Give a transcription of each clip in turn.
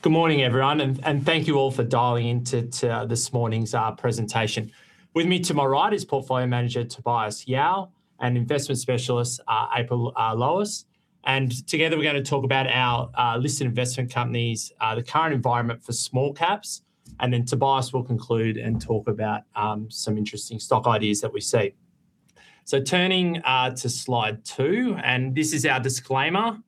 Good morning, everyone, and thank you all for dialing in to this morning's presentation. With me to my right is Portfolio Manager Tobias Yao and Investment Specialist April Lowis. Together we're gonna talk about our listed investment companies, the current environment for small caps, and then Tobias will conclude and talk about some interesting stock ideas that we see. Turning to slide two, this is our disclaimer, and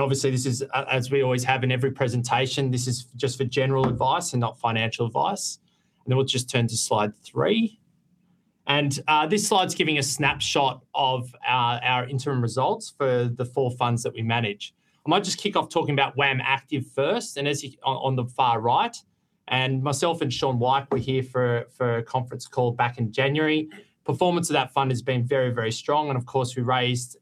obviously this is as we always have in every presentation, this is just for general advice and not financial advice. Then we'll just turn to slide three, and this slide's giving a snapshot of our interim results for the four funds that we manage. I might just kick off talking about WAM Active first, and as you on the far right, and myself and Shaun Weick were here for a conference call back in January. Performance of that fund has been very, very strong and of course we raised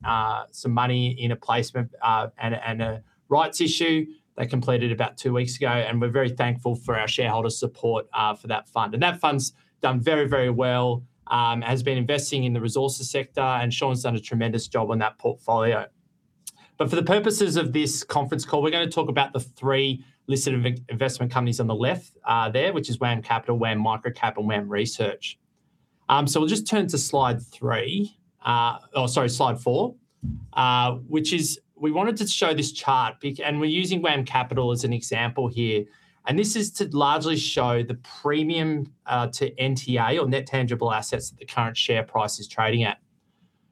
some money in a placement and a rights issue that completed about two weeks ago, and we're very thankful for our shareholders' support for that fund. That fund's done very, very well, has been investing in the resources sector, and Shaun's done a tremendous job on that portfolio. For the purposes of this conference call, we're gonna talk about the three listed investment companies on the left there, which is WAM Capital, WAM Microcap and WAM Research. We'll just turn to slide four, which is we wanted to show this chart and we're using WAM Capital as an example here. This is to largely show the premium to NTA or net tangible assets that the current share price is trading at.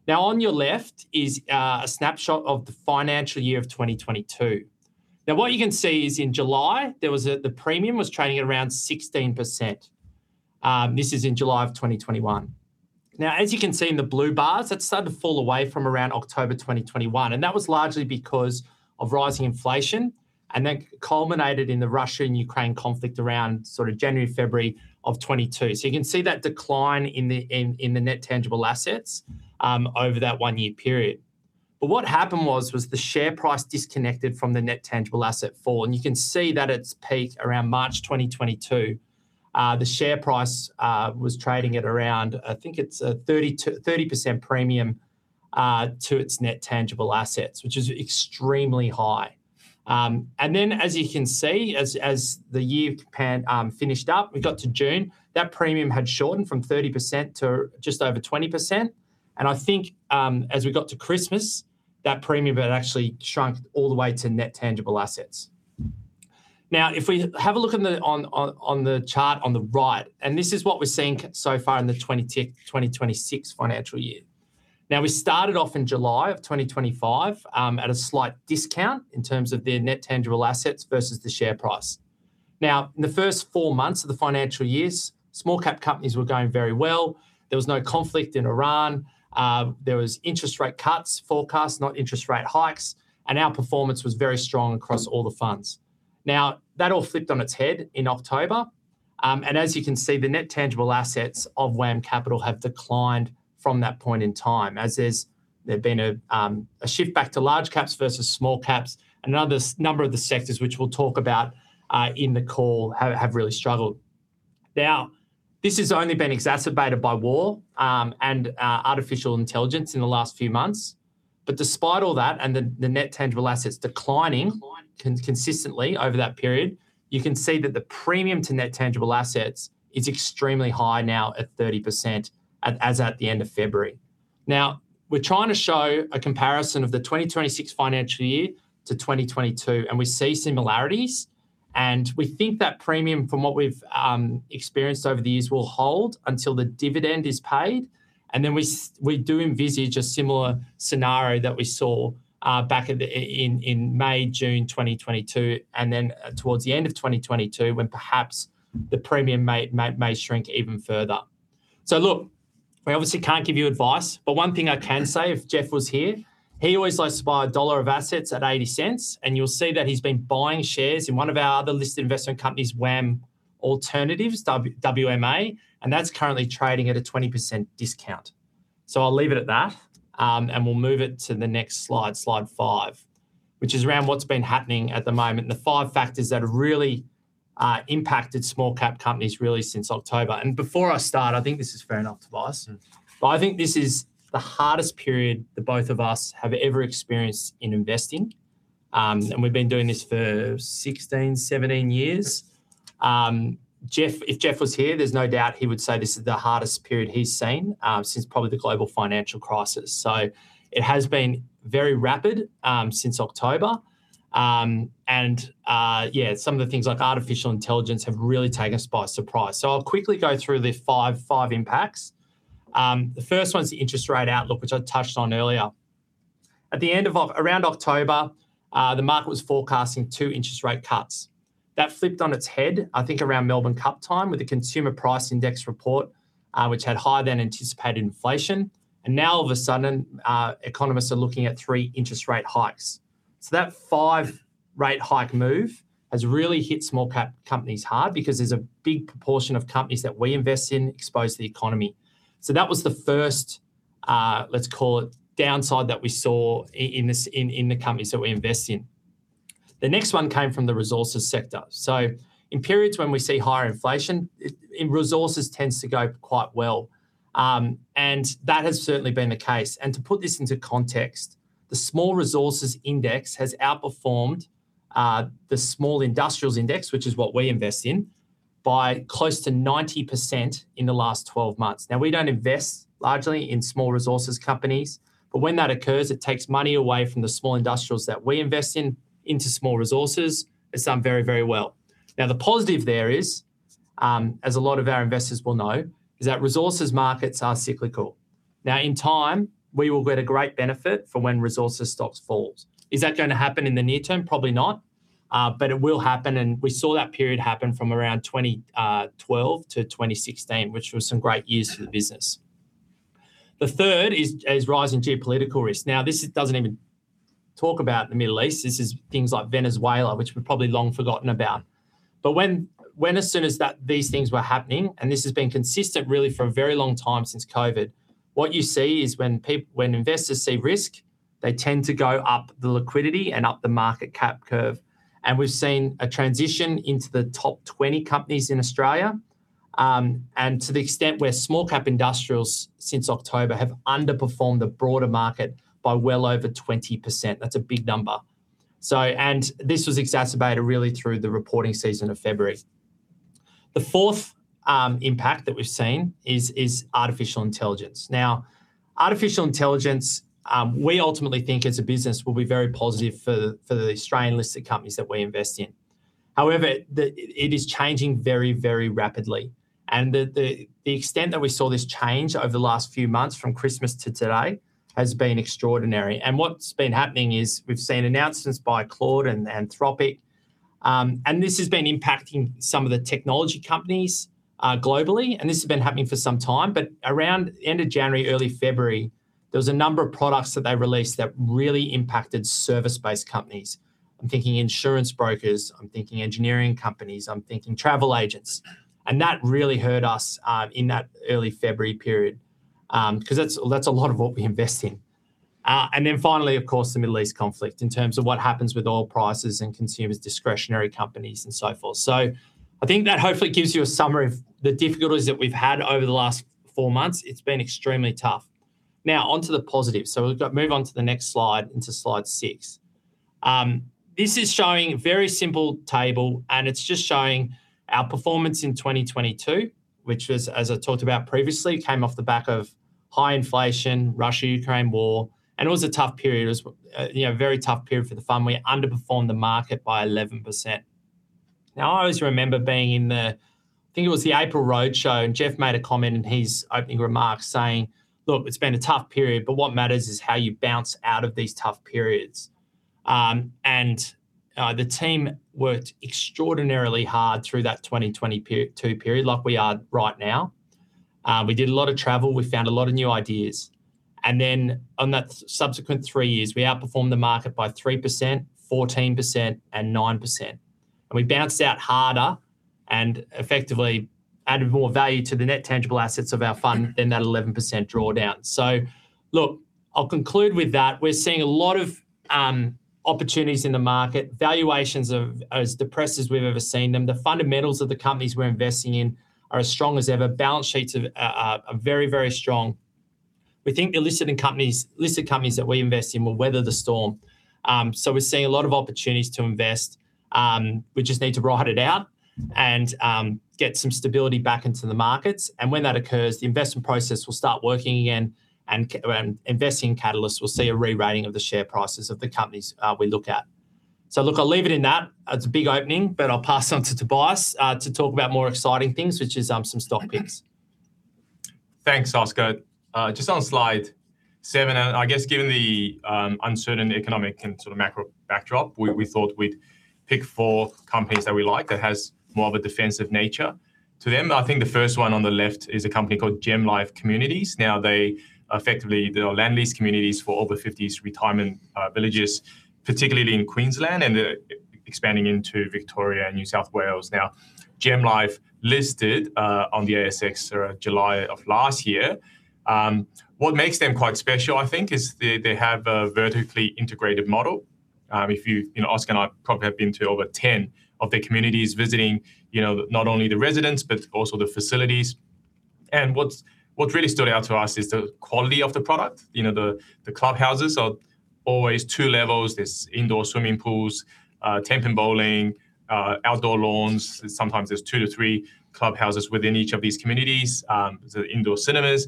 On your left is a snapshot of the financial year of 2022. What you can see is in July, the premium was trading at around 16%. This is in July of 2021. As you can see in the blue bars, that started to fall away from around October 2021, and that was largely because of rising inflation and then culminated in the Russia and Ukraine conflict around sort of January, February of 2022. You can see that decline in the net tangible assets over that one-year period. What happened was the share price disconnected from the net tangible asset fall, and you can see that at its peak around March 2022. The share price was trading at around, I think it's a 30%, 30% premium to its net tangible assets, which is extremely high. As you can see, the year finished up, we got to June, that premium had shortened from 30% to just over 20%. I think, as we got to Christmas, that premium had actually shrunk all the way to net tangible assets. Now, if we have a look at the chart on the right, and this is what we're seeing so far in the 2026 financial year. We started off in July of 2025 at a slight discount in terms of their net tangible assets versus the share price. In the first four months of the financial years, small cap companies were going very well, there was no conflict in Iran, there was interest rate cuts forecast, not interest rate hikes, and our performance was very strong across all the funds. Now, that all flipped on its head in October, and as you can see, the net tangible assets of WAM Capital have declined from that point in time as there's been a shift back to large caps versus small caps and other some number of the sectors which we'll talk about in the call have really struggled. Now, this has only been exacerbated by war and artificial intelligence in the last few months. Despite all that and the net tangible assets declining consistently over that period, you can see that the premium to net tangible assets is extremely high now at 30% as at the end of February. Now, we're trying to show a comparison of the 2026 financial year to 2022, and we see similarities, and we think that premium from what we've experienced over the years will hold until the dividend is paid. Then we do envisage a similar scenario that we saw back at the in May, June 2022, and then towards the end of 2022, when perhaps the premium may shrink even further. Look, we obviously can't give you advice, but one thing I can say, if Jeff was here, he always likes to buy a dollar of assets at 0.80, and you'll see that he's been buying shares in one of our other listed investment companies, WAM Alternative Assets, WMA, and that's currently trading at a 20% discount. I'll leave it at that, and we'll move it to the next slide five, which is around what's been happening at the moment, and the five factors that have really impacted small cap companies really since October. Before I start, I think this is fair enough, Tobias. Mm-hmm. I think this is the hardest period both of us have ever experienced in investing, and we've been doing this for 16, 17 years. Jeff. If Jeff was here, there's no doubt he would say this is the hardest period he's seen, since probably the global financial crisis. It has been very rapid, since October, and, yeah, some of the things like artificial intelligence have really taken us by surprise. I'll quickly go through the five impacts. The first one's the interest rate outlook, which I touched on earlier. Around October, the market was forecasting two interest rate cuts. That flipped on its head, I think around Melbourne Cup time with the Consumer Price Index report, which had higher than anticipated inflation, and now all of a sudden, economists are looking at three interest rate hikes. That five rate hike move has really hit small-cap companies hard because there's a big proportion of companies that we invest in exposed to the economy. That was the first, let's call it downside that we saw in the companies that we invest in. The next one came from the resources sector. In periods when we see higher inflation, resources tends to go quite well, and that has certainly been the case. To put this into context, the small resources index has outperformed the small industrials index, which is what we invest in, by close to 90% in the last 12 months. Now, we don't invest largely in small resources companies, but when that occurs, it takes money away from the small industrials that we invest in into small resources. It's done very, very well. Now, the positive there is, as a lot of our investors will know, is that resources markets are cyclical. Now in time, we will get a great benefit from when resources stocks falls. Is that gonna happen in the near term? Probably not. But it will happen, and we saw that period happen from around 2012 to 2016, which was some great years for the business. The third is rising geopolitical risk. This doesn't even talk about the Middle East. This is things like Venezuela, which we've probably long forgotten about. When as soon as these things were happening, and this has been consistent really for a very long time since COVID, what you see is when investors see risk, they tend to go up the liquidity and up the market cap curve. We've seen a transition into the top 20 companies in Australia, and to the extent where small-cap industrials since October have underperformed the broader market by well over 20%. That's a big number. This was exacerbated really through the reporting season of February. The fourth impact that we've seen is artificial intelligence. Now, artificial intelligence, we ultimately think as a business will be very positive for the Australian-listed companies that we invest in. However, it is changing very, very rapidly. The extent that we saw this change over the last few months from Christmas to today has been extraordinary. What's been happening is we've seen announcements by Claude and Anthropic, and this has been impacting some of the technology companies globally, and this has been happening for some time. Around end of January, early February, there was a number of products that they released that really impacted service-based companies. I'm thinking insurance brokers, I'm thinking engineering companies, I'm thinking travel agents. That really hurt us in that early February period 'cause that's a lot of what we invest in. Finally, of course, the Middle East conflict in terms of what happens with oil prices and consumer discretionary companies and so forth. I think that hopefully gives you a summary of the difficulties that we've had over the last four months. It's been extremely tough. Now on to the positives. We've got. Move on to the next slide, into slide six. This is showing a very simple table, and it's just showing our performance in 2022, which was, as I talked about previously, came off the back of high inflation, Russia-Ukraine war, and it was a tough period. It was a very tough period for the firm. We underperformed the market by 11%. Now, I always remember being in the April roadshow, I think, and Jeff made a comment in his opening remarks saying, "Look, it's been a tough period, but what matters is how you bounce out of these tough periods." The team worked extraordinarily hard through that 2020-2022 period like we are right now. We did a lot of travel, we found a lot of new ideas. Then on that subsequent three years, we outperformed the market by 3%, 14%, and 9%. We bounced out harder and effectively added more value to the net tangible assets of our fund than that 11% drawdown. Look, I'll conclude with that. We're seeing a lot of opportunities in the market, valuations as depressed as we've ever seen them. The fundamentals of the companies we're investing in are as strong as ever. Balance sheets are very, very strong. We think the listed companies that we invest in will weather the storm. We're seeing a lot of opportunities to invest. We just need to ride it out and get some stability back into the markets. When that occurs, the investment process will start working again, and investing catalysts will see a rerating of the share prices of the companies we look at. Look, I'll leave it at that. It's a big opening, but I'll pass it on to Tobias to talk about more exciting things, which is some stock picks. Thanks, Oscar. Just on slide seven, I guess given the uncertain economic and sort of macro backdrop, we thought we'd pick four companies that we like that has more of a defensive nature to them. I think the first one on the left is a company called GemLife Communities. Now, they effectively they are land lease communities for over 50s retirement villages, particularly in Queensland, and they're expanding into Victoria and New South Wales. Now, GemLife listed on the ASX around July of last year. What makes them quite special, I think, is they have a vertically integrated model. If you you know, Oscar and I probably have been to over 10 of their communities, visiting you know, not only the residents, but also the facilities. What's really stood out to us is the quality of the product. You know, the clubhouses are always two levels. There's indoor swimming pools, 10-pin bowling, outdoor lawns. Sometimes there's two or three clubhouses within each of these communities, so indoor cinemas.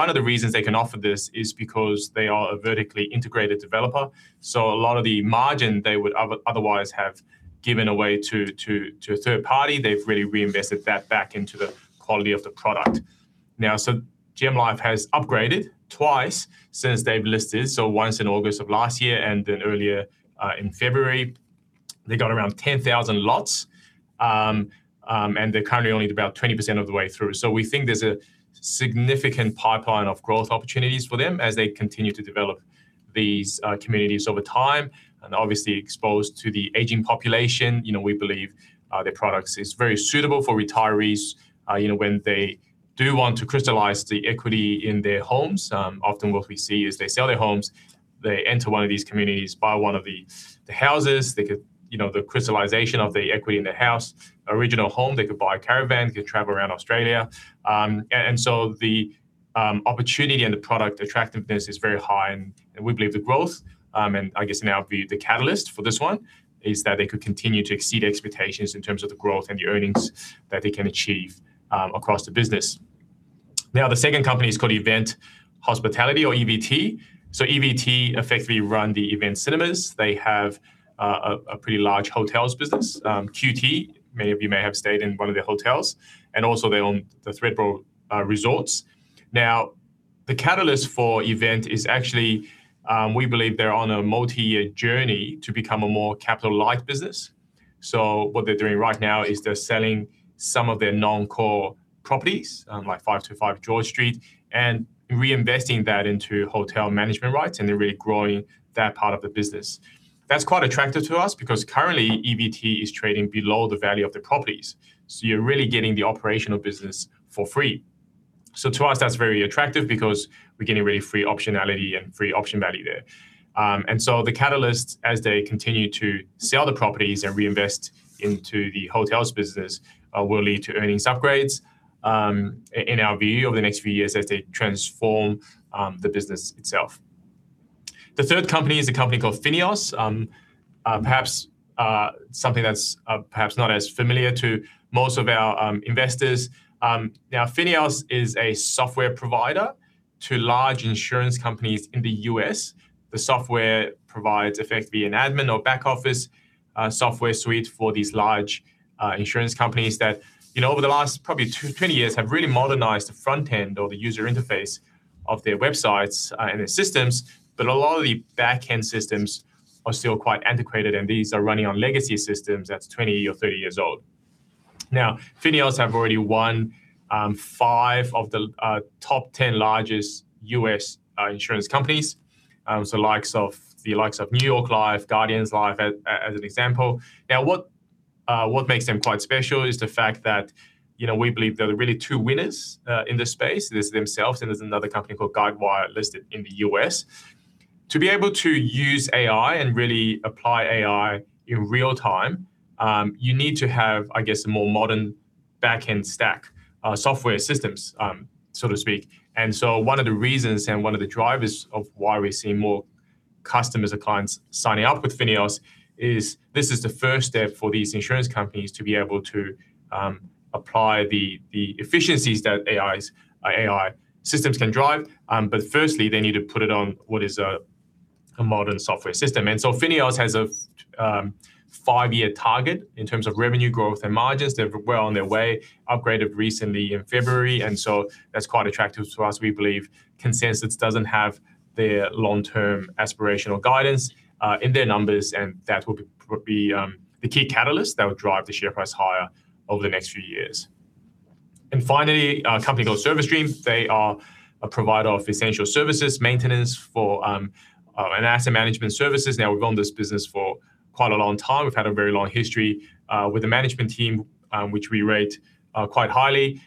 One of the reasons they can offer this is because they are a vertically integrated developer, so a lot of the margin they would otherwise have given away to a third party, they've really reinvested that back into the quality of the product. Now, GemLife has upgraded twice since they've listed, so once in August of last year and then earlier in February. They got around 10,000 lots, and they're currently only about 20% of the way through. We think there's a significant pipeline of growth opportunities for them as they continue to develop these communities over time, and obviously exposed to the aging population. You know, we believe their products is very suitable for retirees, you know, when they do want to crystallize the equity in their homes. Often what we see is they sell their homes, they enter one of these communities, buy one of the houses. They could, you know, the crystallization of the equity in their house, original home, they could buy a caravan, they could travel around Australia. The opportunity and the product attractiveness is very high, and we believe the growth, and I guess now, the catalyst for this one is that they could continue to exceed expectations in terms of the growth and the earnings that they can achieve across the business. The second company is called Event Hospitality or EVT. EVT effectively run the Event Cinemas. They have a pretty large hotels business, QT. Many of you may have stayed in one of their hotels, and also they own Thredbo Resorts. The catalyst for Event is actually, we believe they're on a multi-year journey to become a more capital light business. What they're doing right now is they're selling some of their non-core properties, like 525 George Street, and reinvesting that into hotel management rights, and they're really growing that part of the business. That's quite attractive to us because currently EVT is trading below the value of the properties, so you're really getting the operational business for free. To us that's very attractive because we're getting really free optionality and free option value there. The catalyst, as they continue to sell the properties and reinvest into the hotels business, will lead to earnings upgrades, in our view, over the next few years as they transform the business itself. The third company is a company called FINEOS. Perhaps something that's perhaps not as familiar to most of our investors. Now FINEOS is a software provider to large insurance companies in the U.S. The software provides effectively an admin or back office software suite for these large insurance companies that, you know, over the last probably 20 years have really modernized the front end or the user interface of their websites and their systems, but a lot of the back-end systems are still quite antiquated, and these are running on legacy systems that's 20 or 30 years old. Now, FINEOS have already won five of the top 10 largest U.S. insurance companies, so the likes of New York Life, Guardian Life as an example. Now what makes them quite special is the fact that, you know, we believe there are really two winners in this space. There's themselves, and there's another company called Guidewire listed in the U.S. To be able to use AI and really apply AI in real-time, you need to have, I guess, a more modern back-end stack, software systems, so to speak. One of the reasons and one of the drivers of why we're seeing more customers or clients signing up with FINEOS is this is the first step for these insurance companies to be able to apply the efficiencies that AIs, or AI systems can drive, but firstly, they need to put it on what is a modern software system. FINEOS has a five-year target in terms of revenue growth and margins. They're well on their way, upgraded recently in February, and so that's quite attractive to us. We believe consensus doesn't have their long-term aspirational guidance in their numbers, and that will probably be the key catalyst that would drive the share price higher over the next few years. Finally, a company called Service Stream. They are a provider of essential services, maintenance, and asset management services. Now we've owned this business for quite a long time. We've had a very long history with the management team, which we rate quite highly.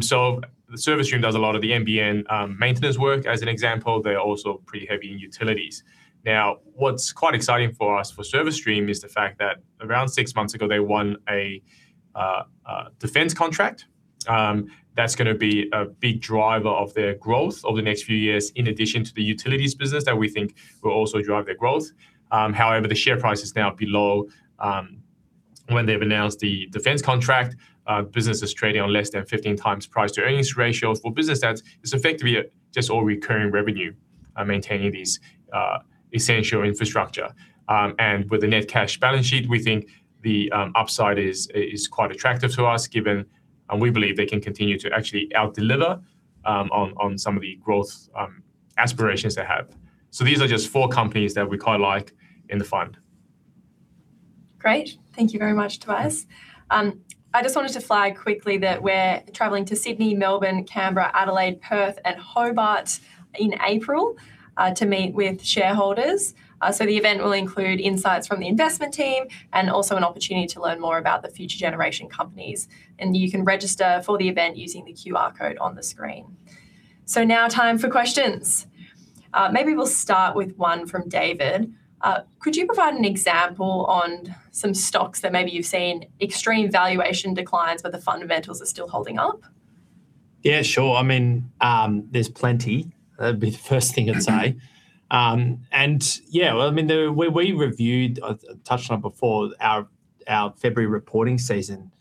So Service Stream does a lot of the NBN maintenance work as an example. They're also pretty heavy in utilities. Now, what's quite exciting for us for Service Stream is the fact that around six months ago, they won a defense contract. That's gonna be a big driver of their growth over the next few years, in addition to the utilities business that we think will also drive their growth. However, the share price is now below when they've announced the defense contract. Business is trading on less than 15x price-to-earnings ratios for business that is effectively just all recurring revenue, maintaining these essential infrastructure. With the net cash balance sheet, we think the upside is quite attractive to us given and we believe they can continue to actually out-deliver on some of the growth aspirations they have. These are just four companies that we quite like in the fund. Great. Thank you very much, Tobias. I just wanted to flag quickly that we're traveling to Sydney, Melbourne, Canberra, Adelaide, Perth, and Hobart in April to meet with shareholders. The event will include insights from the investment team and also an opportunity to learn more about the future generation companies. You can register for the event using the QR code on the screen. Now time for questions. Maybe we'll start with one from David. Could you provide an example on some stocks that maybe you've seen extreme valuation declines, but the fundamentals are still holding up? Yeah, sure. I mean, there's plenty. That'd be the first thing I'd say. Yeah, well, I mean, we reviewed, touched on it before, our February reporting season,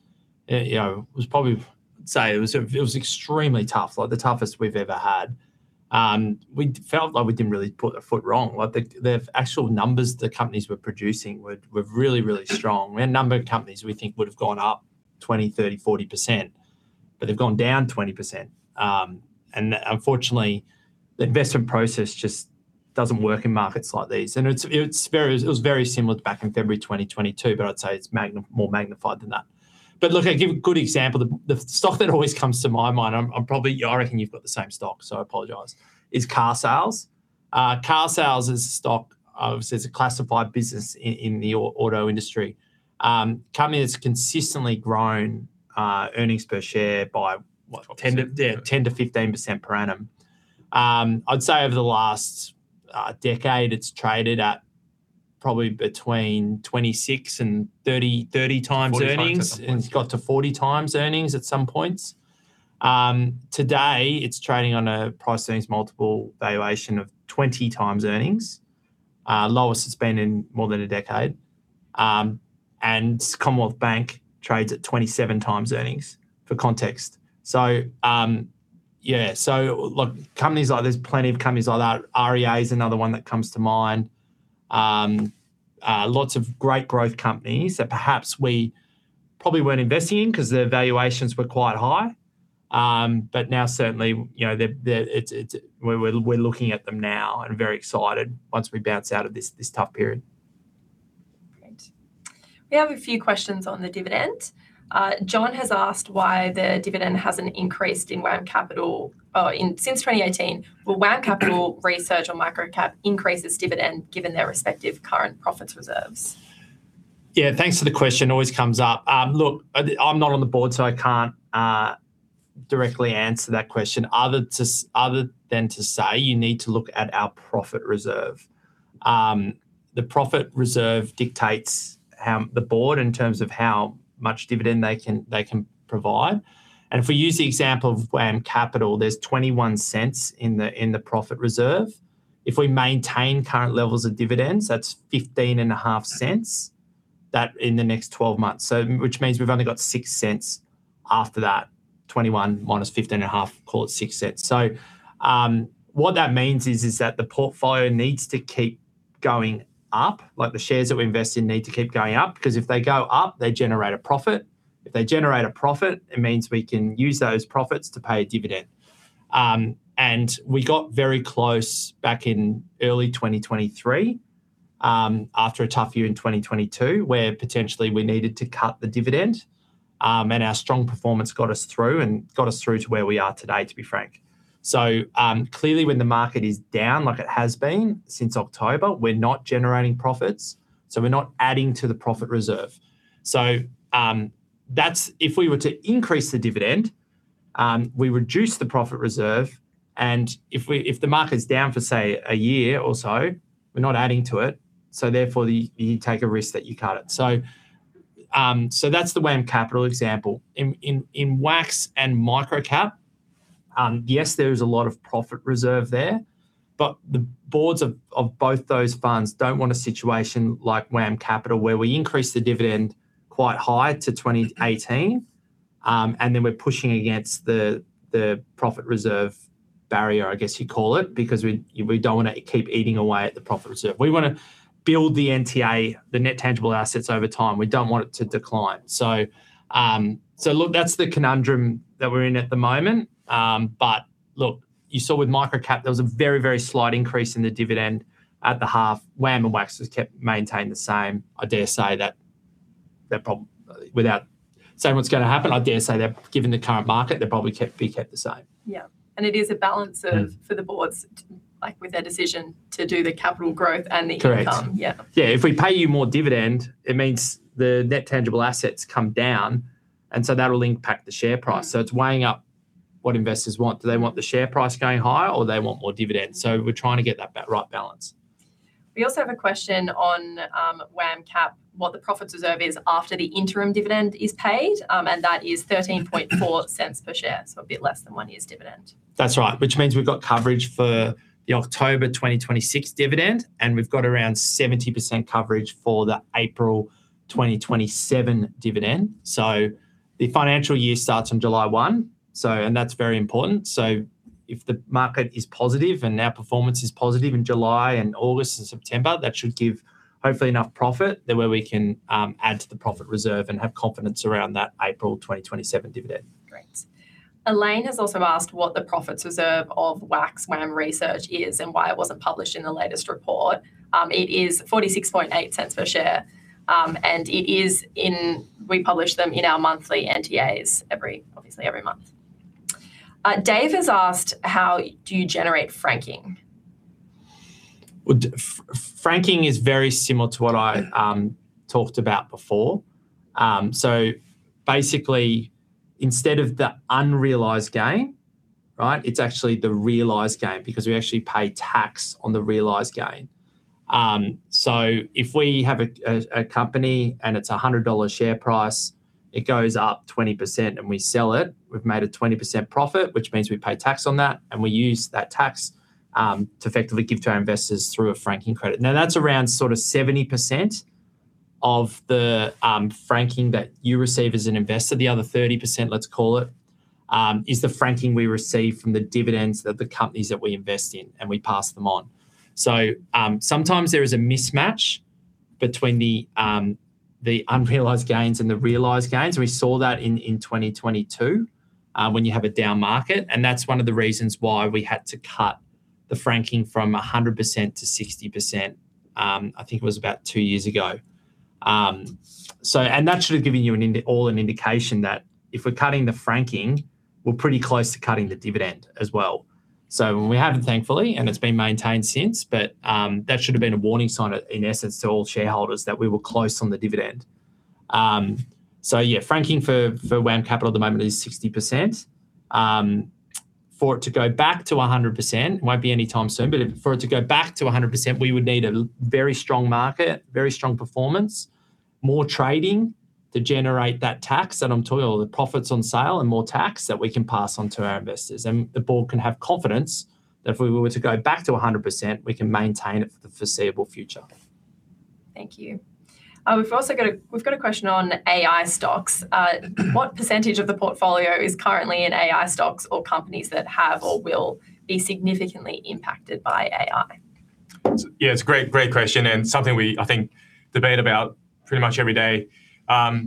you know, was probably, say, it was extremely tough, like the toughest we've ever had. We felt like we didn't really put a foot wrong. Like the actual numbers the companies were producing were really strong. We had a number of companies we think would have gone up 20%, 30%, 40%, but they've gone down 20%. Unfortunately, the investment process just doesn't work in markets like these. It was very similar back in February 2022, but I'd say it's more magnified than that. Look, I'll give a good example. The stock that always comes to my mind, I'm probably I reckon you've got the same stock, so I apologize, is Carsales. Carsales is a stock, obviously it's a classified business in the auto industry. Company has consistently grown earnings per share by what? 10%- 12%. Yeah, 10%-15% per annum. I'd say over the last decade, it's traded at Probably between 26x and 30x earnings. 30x at some points. It's got to 40x earnings at some points. Today it's trading on a price earnings multiple valuation of 20x earnings, lowest it's been in more than a decade. Commonwealth Bank trades at 27x earnings, for context. Yeah. Look, companies like that. There's plenty of companies like that. REA is another one that comes to mind. Lots of great growth companies that perhaps we probably weren't investing in because their valuations were quite high. But now certainly, you know, we're looking at them now and very excited once we bounce out of this tough period. Great. We have a few questions on the dividend. John has asked why the dividend hasn't increased in WAM Capital since 2018. Will WAM Research or WAM Microcap increase its dividend given their respective current profits reserves? Yeah. Thanks for the question, always comes up. Look, I'm not on the board, so I can't directly answer that question other than to say you need to look at our profit reserve. The profit reserve dictates how the board, in terms of how much dividend they can provide. If we use the example of WAM Capital, there's 0.21 in the profit reserve. If we maintain current levels of dividends, that's 0.155. That's in the next 12 months, which means we've only got 0.06 after that. 0.21 minus 0.155, call it 0.06. What that means is that the portfolio needs to keep going up, like the shares that we invest in need to keep going up, because if they go up, they generate a profit. If they generate a profit, it means we can use those profits to pay a dividend. We got very close back in early 2023, after a tough year in 2022, where potentially we needed to cut the dividend, and our strong performance got us through to where we are today, to be frank. Clearly, when the market is down like it has been since October, we're not generating profits, so we're not adding to the profit reserve. If we were to increase the dividend, we reduce the profit reserve, and if the market's down for, say, a year or so, we're not adding to it, so therefore you take a risk that you cut it. That's the WAM Capital example. WAX and Microcap, yes, there is a lot of profit reserve there, but the boards of both those funds don't want a situation like WAM Capital, where we increased the dividend quite high to 0.28, and then we're pushing against the profit reserve barrier, I guess you'd call it, because we don't want to keep eating away at the profit reserve. We want to build the NTA, the net tangible assets over time. We don't want it to decline. Look, that's the conundrum that we're in at the moment. But look, you saw with Microcap, there was a very, very slight increase in the dividend at the half. WAM and WAX has kept, maintained the same. Without saying what's going to happen, I dare say that given the current market, they're probably kept the same. It is a balance of. Mm. for the boards, like with their decision to do the capital growth and the income. Correct. Yeah. Yeah, if we pay you more dividend, it means the net tangible assets come down, and so that'll impact the share price. Mm-hmm. It's weighing up what investors want. Do they want the share price going higher or they want more dividends? We're trying to get that right balance. We also have a question on WAM Capital, what the profits reserve is after the interim dividend is paid, and that is 0.134 per share, so a bit less than one year's dividend. That's right. Which means we've got coverage for the October 2026 dividend, and we've got around 70% coverage for the April 2027 dividend. The financial year starts on July 1, and that's very important. If the market is positive and our performance is positive in July and August and September, that should give hopefully enough profit where we can add to the profit reserve and have confidence around that April 2027 dividend. Great. Elaine has also asked what the profits reserve of WAX WAM Research is and why it wasn't published in the latest report. It is 0.468 per share, and it is in we publish them in our monthly NTAs every month. David has asked, how do you generate franking? Well, franking is very similar to what I talked about before. Basically instead of the unrealized gain, right, it's actually the realized gain because we actually pay tax on the realized gain. If we have a company and it's a 100 dollar share price, it goes up 20% and we sell it, we've made a 20% profit, which means we pay tax on that, and we use that tax to effectively give to our investors through a franking credit. Now, that's around sort of 70% of the franking that you receive as an investor. The other 30%, let's call it, is the franking we receive from the dividends that the companies that we invest in, and we pass them on. Sometimes there is a mismatch between the unrealized gains and the realized gains. We saw that in 2022, when you have a down market, and that's one of the reasons why we had to cut the franking from 100% to 60%, I think it was about two years ago. That should have given you an indication that if we're cutting the franking, we're pretty close to cutting the dividend as well. We haven't thankfully, and it's been maintained since, but that should have been a warning sign in essence to all shareholders that we were close on the dividend. Yeah, franking for WAM Capital at the moment is 60%. For it to go back to 100%, it won't be any time soon, but for it to go back to 100%, we would need a very strong market, very strong performance, more trading to generate that tax that I'm talking, or the profits on sale and more tax that we can pass on to our investors. The board can have confidence that if we were to go back to 100%, we can maintain it for the foreseeable future. Thank you. We've also got a question on AI stocks. What percentage of the portfolio is currently in AI stocks or companies that have or will be significantly impacted by AI? Yeah, it's a great question, and something we, I think, debate about pretty much every day. I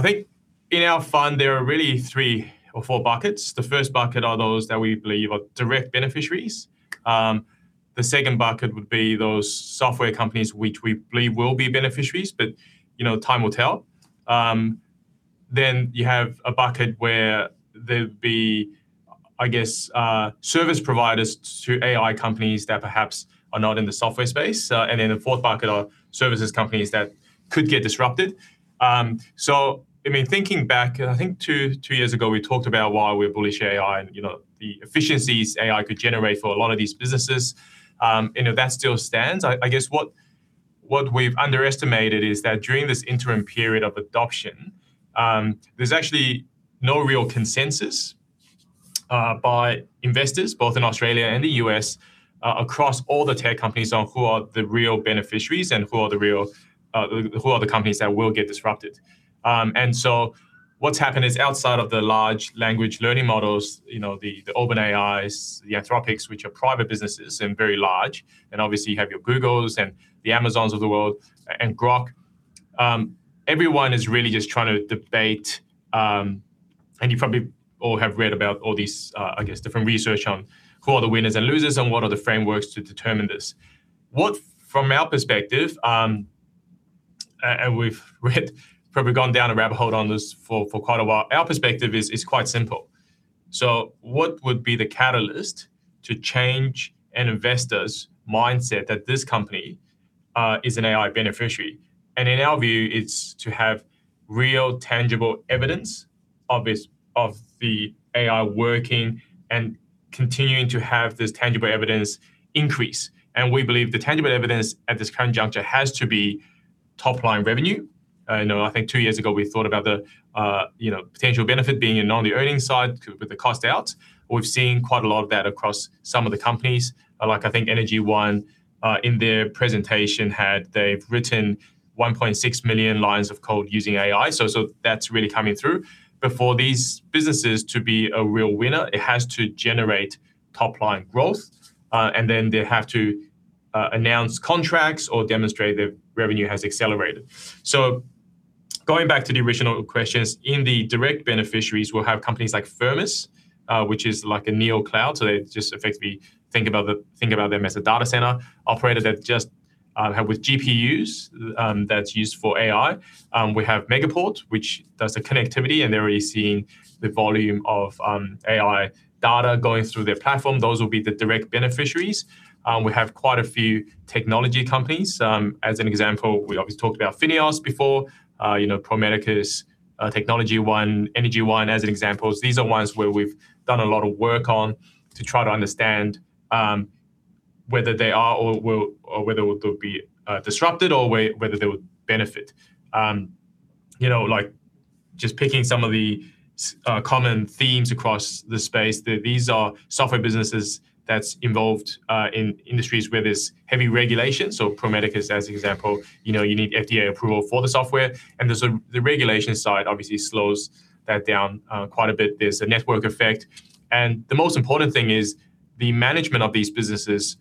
think in our fund, there are really three or four buckets. The first bucket are those that we believe are direct beneficiaries. The second bucket would be those software companies which we believe will be beneficiaries, but, you know, time will tell. You have a bucket where there'd be, I guess, service providers to AI companies that perhaps are not in the software space. In the fourth bucket are services companies that could get disrupted. I mean, thinking back, I think two years ago, we talked about why we're bullish AI and, you know, the efficiencies AI could generate for a lot of these businesses. You know, that still stands. I guess what we've underestimated is that during this interim period of adoption, there's actually no real consensus by investors, both in Australia and the U.S., across all the tech companies on who are the real beneficiaries and who are the companies that will get disrupted. What's happened is, outside of the large language models, you know, the OpenAIs, the Anthropic, which are private businesses and very large, and obviously you have your Googles and the Amazons of the world and Grok, everyone is really just trying to debate. You probably all have read about all these, I guess different research on who are the winners and losers and what are the frameworks to determine this. From our perspective, and we've probably gone down a rabbit hole on this for quite a while. Our perspective is quite simple. What would be the catalyst to change an investor's mindset that this company is an AI beneficiary? In our view, it's to have real tangible evidence of the AI working and continuing to have this tangible evidence increase. We believe the tangible evidence at this current juncture has to be top-line revenue. I know, I think two years ago we thought about the potential benefit being on the earnings side with the cost out. We've seen quite a lot of that across some of the companies. Like I think Energy One in their presentation had they written 1.6 million lines of code using AI, so that's really coming through. For these businesses to be a real winner, it has to generate top-line growth, and then they have to announce contracts or demonstrate their revenue has accelerated. Going back to the original questions, in the direct beneficiaries, we'll have companies like Firmus, which is like a neocloud. They just effectively think about them as a data center operator that just have with GPUs, that's used for AI. We have Megaport, which does the connectivity, and they're already seeing the volume of AI data going through their platform. Those will be the direct beneficiaries. We have quite a few technology companies. As an example, we obviously talked about FINEOS before, you know, Pro Medicus, Technology One, Energy One as an example. These are ones where we've done a lot of work on to try to understand whether they are or will or whether they'll be disrupted or whether they would benefit. You know, like just picking some of the common themes across the space. These are software businesses that's involved in industries where there's heavy regulation. So Pro Medicus as example, you know, you need FDA approval for the software, and the regulation side obviously slows that down quite a bit. There's a network effect, and the most important thing is the management of these businesses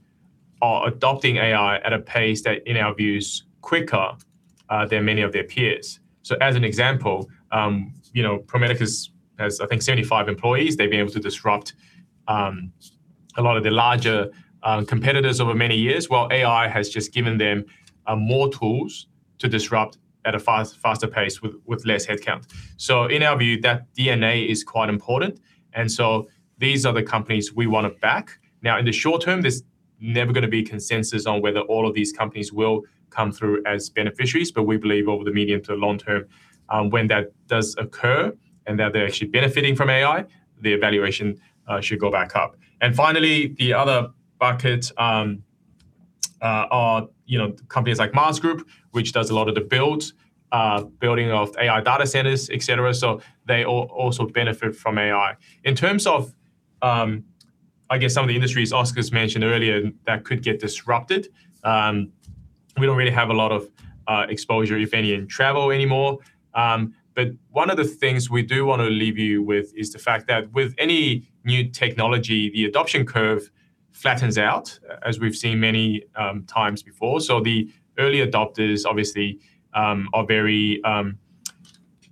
are adopting AI at a pace that, in our views, quicker than many of their peers. So as an example, you know, Pro Medicus has, I think, 75 employees. They've been able to disrupt a lot of the larger competitors over many years, while AI has just given them more tools to disrupt at a faster pace with less headcount. In our view, that DNA is quite important, and these are the companies we wanna back. Now, in the short term, there's never gonna be consensus on whether all of these companies will come through as beneficiaries, but we believe over the medium to long term, when that does occur and that they're actually benefiting from AI, the valuation should go back up. Finally, the other bucket are, you know, companies like Maas Group, which does a lot of the building of AI data centers, et cetera. They also benefit from AI. In terms of, I guess some of the industries Oscar mentioned earlier that could get disrupted, we don't really have a lot of exposure, if any, in travel anymore. One of the things we do wanna leave you with is the fact that with any new technology, the adoption curve flattens out, as we've seen many times before. The early adopters obviously are very,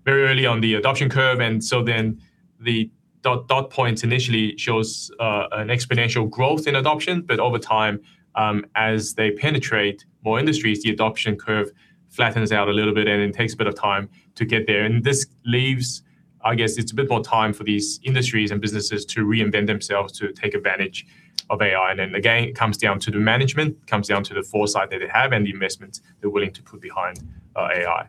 very early on the adoption curve, and then the dot points initially shows an exponential growth in adoption. Over time, as they penetrate more industries, the adoption curve flattens out a little bit, and it takes a bit of time to get there. This leaves, I guess it's a bit more time for these industries and businesses to reinvent themselves to take advantage of AI. It comes down to the management, comes down to the foresight that they have and the investments they're willing to put behind AI.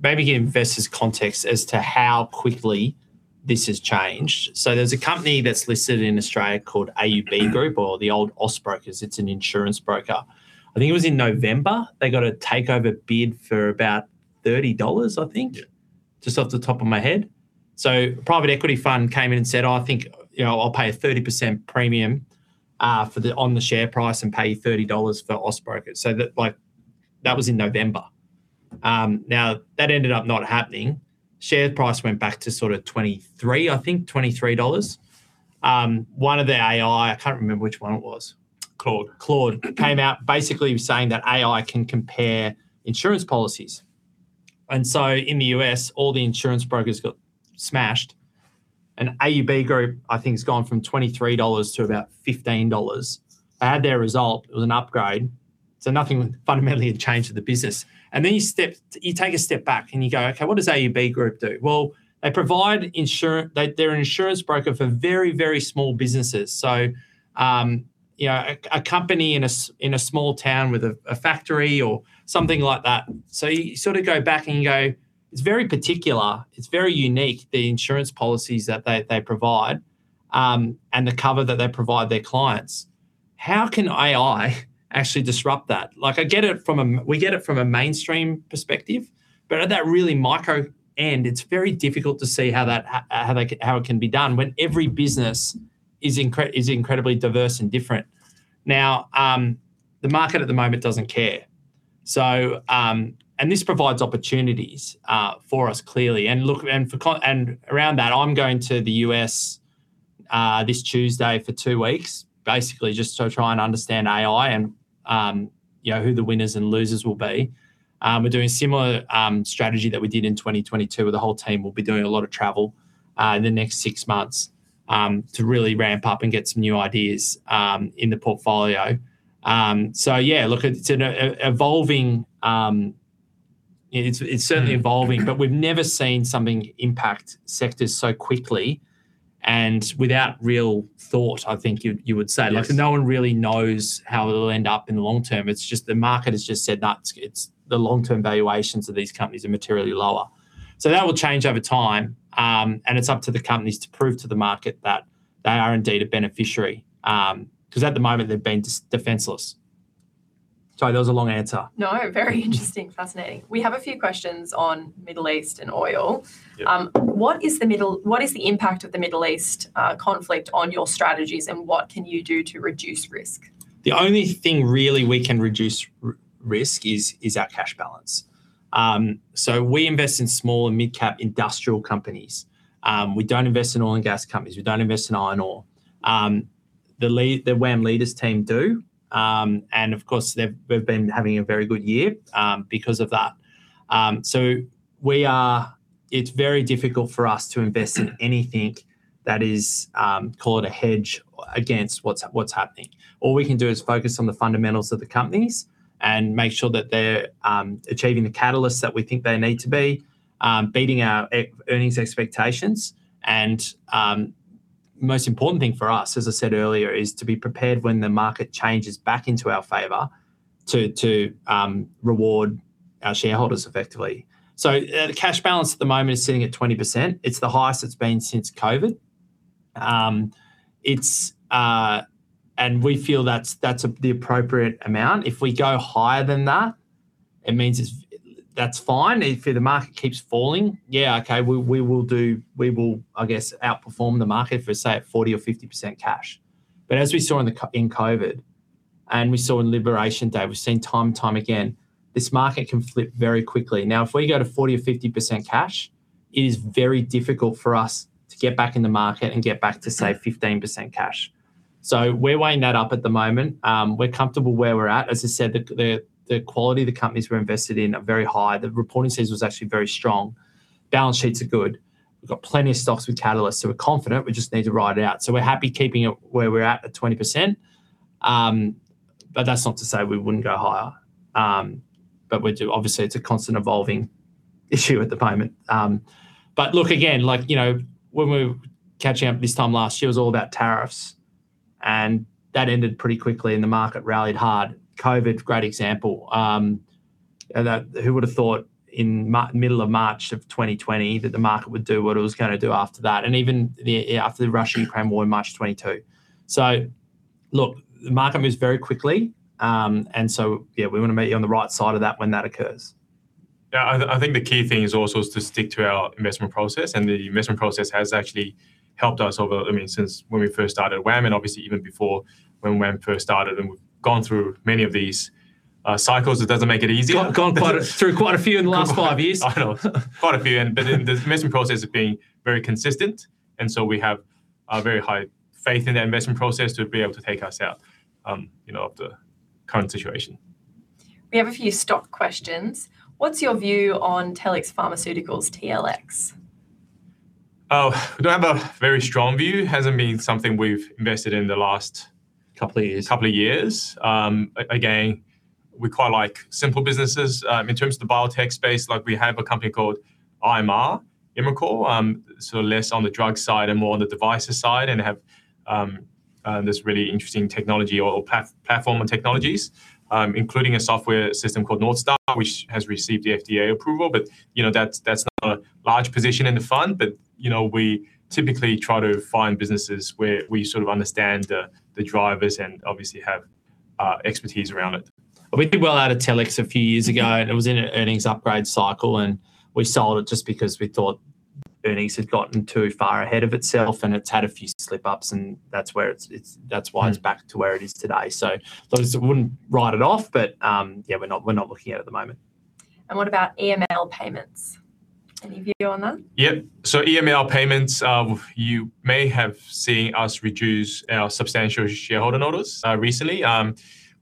Maybe give investors context as to how quickly this has changed. There's a company that's listed in Australia called AUB Group or the old Austbrokers. It's an insurance broker. I think it was in November, they got a takeover bid for about 30 dollars, I think. Yeah. Just off the top of my head. Private equity fund came in and said, "I think, you know, I'll pay a 30% premium on the share price and pay you 30 dollars for Austbrokers." That, like, that was in November. Now, that ended up not happening. Share price went back to sort of 23, I think, 23 dollars. One of the AI, I can't remember which one it was. Claude. Claude came out basically saying that AI can compare insurance policies. In the U.S., all the insurance brokers got smashed, and AUB Group, I think, has gone from 23 dollars to about 15 dollars. They had their result, it was an upgrade, so nothing fundamentally had changed with the business. You take a step back and you go, "Okay, what does AUB Group do?" Well, they provide, they're an insurance broker for very, very small businesses. A company in a small town with a factory or something like that. You sort of go back and you go, "It's very particular, it's very unique, the insurance policies that they provide, and the cover that they provide their clients. How can AI actually disrupt that?" Like, I get it from a. We get it from a mainstream perspective, but at that really micro end, it's very difficult to see how that, how it can be done when every business is incredibly diverse and different. Now, the market at the moment doesn't care. This provides opportunities for us, clearly. Around that, I'm going to the U.S. this Tuesday for two weeks, basically just to try and understand AI and, you know, who the winners and losers will be. We're doing similar strategy that we did in 2022, where the whole team will be doing a lot of travel in the next six months to really ramp up and get some new ideas in the portfolio. Yeah, look, it's certainly evolving. Mm-hmm. We've never seen something impact sectors so quickly and without real thought. I think you would say. Yes. Like, no one really knows how it'll end up in the long term. It's just the market has just said, "Nah, it's the long-term valuations of these companies are materially lower." That will change over time, and it's up to the companies to prove to the market that they are indeed a beneficiary. 'Cause at the moment they've been defenseless. Sorry, that was a long answer. No, very interesting. Fascinating. We have a few questions on Middle East and oil. Yeah. What is the impact of the Middle East conflict on your strategies, and what can you do to reduce risk? The only thing really we can reduce risk is our cash balance. We invest in small and mid-cap industrial companies. We don't invest in oil and gas companies. We don't invest in iron ore. The WAM Leaders team do, and of course they've been having a very good year, because of that. We are. It's very difficult for us to invest in anything that is call it a hedge against what's happening. All we can do is focus on the fundamentals of the companies and make sure that they're achieving the catalysts that we think they need to be, beating our earnings expectations. Most important thing for us, as I said earlier, is to be prepared when the market changes back into our favor to reward our shareholders effectively. The cash balance at the moment is sitting at 20%. It's the highest it's been since COVID. We feel that's the appropriate amount. If we go higher than that, it means it's. That's fine. If the market keeps falling, yeah, okay, we will, I guess, outperform the market if we're, say, at 40% or 50% cash. As we saw in COVID, and we saw on Liberation Day, we've seen time and time again, this market can flip very quickly. If we go to 40% or 50% cash, it is very difficult for us to get back in the market and get back to, say, 15% cash. We're weighing that up at the moment. We're comfortable where we're at. As I said, the quality of the companies we're invested in are very high. The reporting season was actually very strong. Balance sheets are good. We've got plenty of stocks with catalysts, so we're confident, we just need to ride it out. We're happy keeping it where we're at at 20%. But that's not to say we wouldn't go higher. But we're obviously, it's a constant evolving issue at the moment. Look again, like, you know, when we were catching up this time last year, it was all about tariffs, and that ended pretty quickly and the market rallied hard. COVID, great example. Who would have thought in middle of March of 2020 that the market would do what it was gonna do after that? After the Russia and Ukraine war in March 2022. Look, the market moves very quickly. We wanna be on the right side of that when that occurs. Yeah, I think the key thing is also to stick to our investment process, and the investment process has actually helped us over, I mean, since when we first started WAM, and obviously even before when WAM first started, and we've gone through many of these cycles. It doesn't make it easier. Gone through quite a few in the last five years. Quite a few. I know. The investment process has been very consistent, and so we have a very high faith in that investment process to be able to take us out, you know, of the current situation. We have a few stock questions. What's your view on Telix Pharmaceuticals, TLX? Oh, we don't have a very strong view. Hasn't been something we've invested in the last. Couple of years. Couple of years. Again, we quite like simple businesses. In terms of the biotech space, like, we have a company called IMR, Imricor, so less on the drug side and more on the devices side and have this really interesting technology or platform and technologies, including a software system called NorthStar, which has received the FDA approval. You know, that's not a large position in the fund, but, you know, we typically try to find businesses where we sort of understand the drivers and obviously have expertise around it. We did well out of Telix a few years ago, and it was in an earnings upgrade cycle, and we sold it just because we thought earnings had gotten too far ahead of itself, and it's had a few slipups, and that's where it's. That's why. Mm. It's back to where it is today. Those that wouldn't write it off, but yeah, we're not looking at it at the moment. What about EML Payments? Any view on that? Yep. EML Payments, you may have seen us reduce our substantial shareholder notice recently.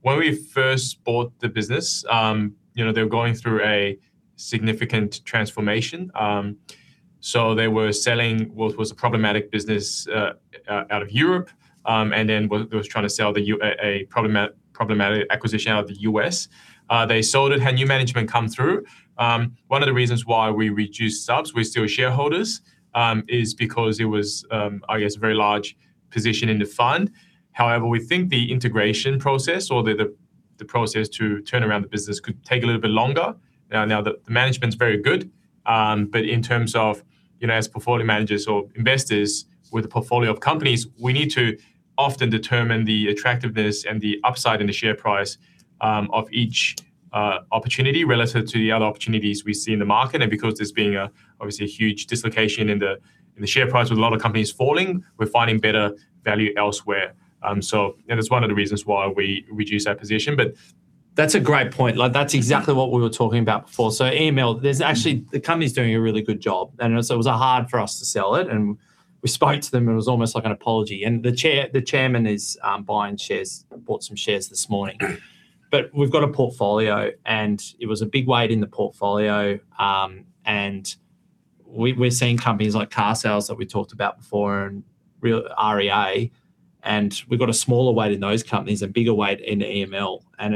When we first bought the business, you know, they were going through a significant transformation. They were selling what was a problematic business out of Europe, and then was trying to sell a problematic acquisition out of the U.S. They sold it, had new management come through. One of the reasons why we reduced subs, we're still shareholders, is because it was, I guess, a very large position in the fund. However, we think the integration process or the process to turn around the business could take a little bit longer. Now the management's very good, but in terms of, you know, as portfolio managers or investors with a portfolio of companies, we need to often determine the attractiveness and the upside in the share price of each opportunity relative to the other opportunities we see in the market. Because there's been obviously a huge dislocation in the share price with a lot of companies falling, we're finding better value elsewhere. It's one of the reasons why we reduced our position, but- That's a great point. Like that's exactly what we were talking about before. EML. There's actually the company's doing a really good job, and so it was hard for us to sell it, and we spoke to them, and it was almost like an apology. The chairman is buying shares. Bought some shares this morning. We've got a portfolio, and it was a big weight in the portfolio, and we're seeing companies like Carsales that we talked about before and REA, and we've got a smaller weight in those companies, a bigger weight in EML, and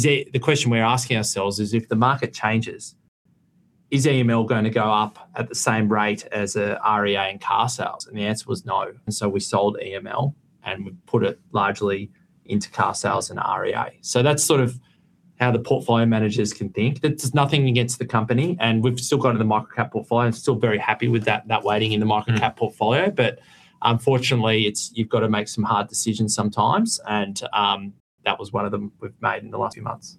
the question we're asking ourselves is, if the market changes, is EML gonna go up at the same rate as REA and Carsales? The answer was no. We sold EML, and we put it largely into Carsales and REA. That's sort of how the portfolio managers can think. It's nothing against the company, and we've still got it in the Microcap portfolio, and still very happy with that weighting in the Microcap portfolio. Unfortunately, it's. You've gotta make some hard decisions sometimes, and that was one of them we've made in the last few months.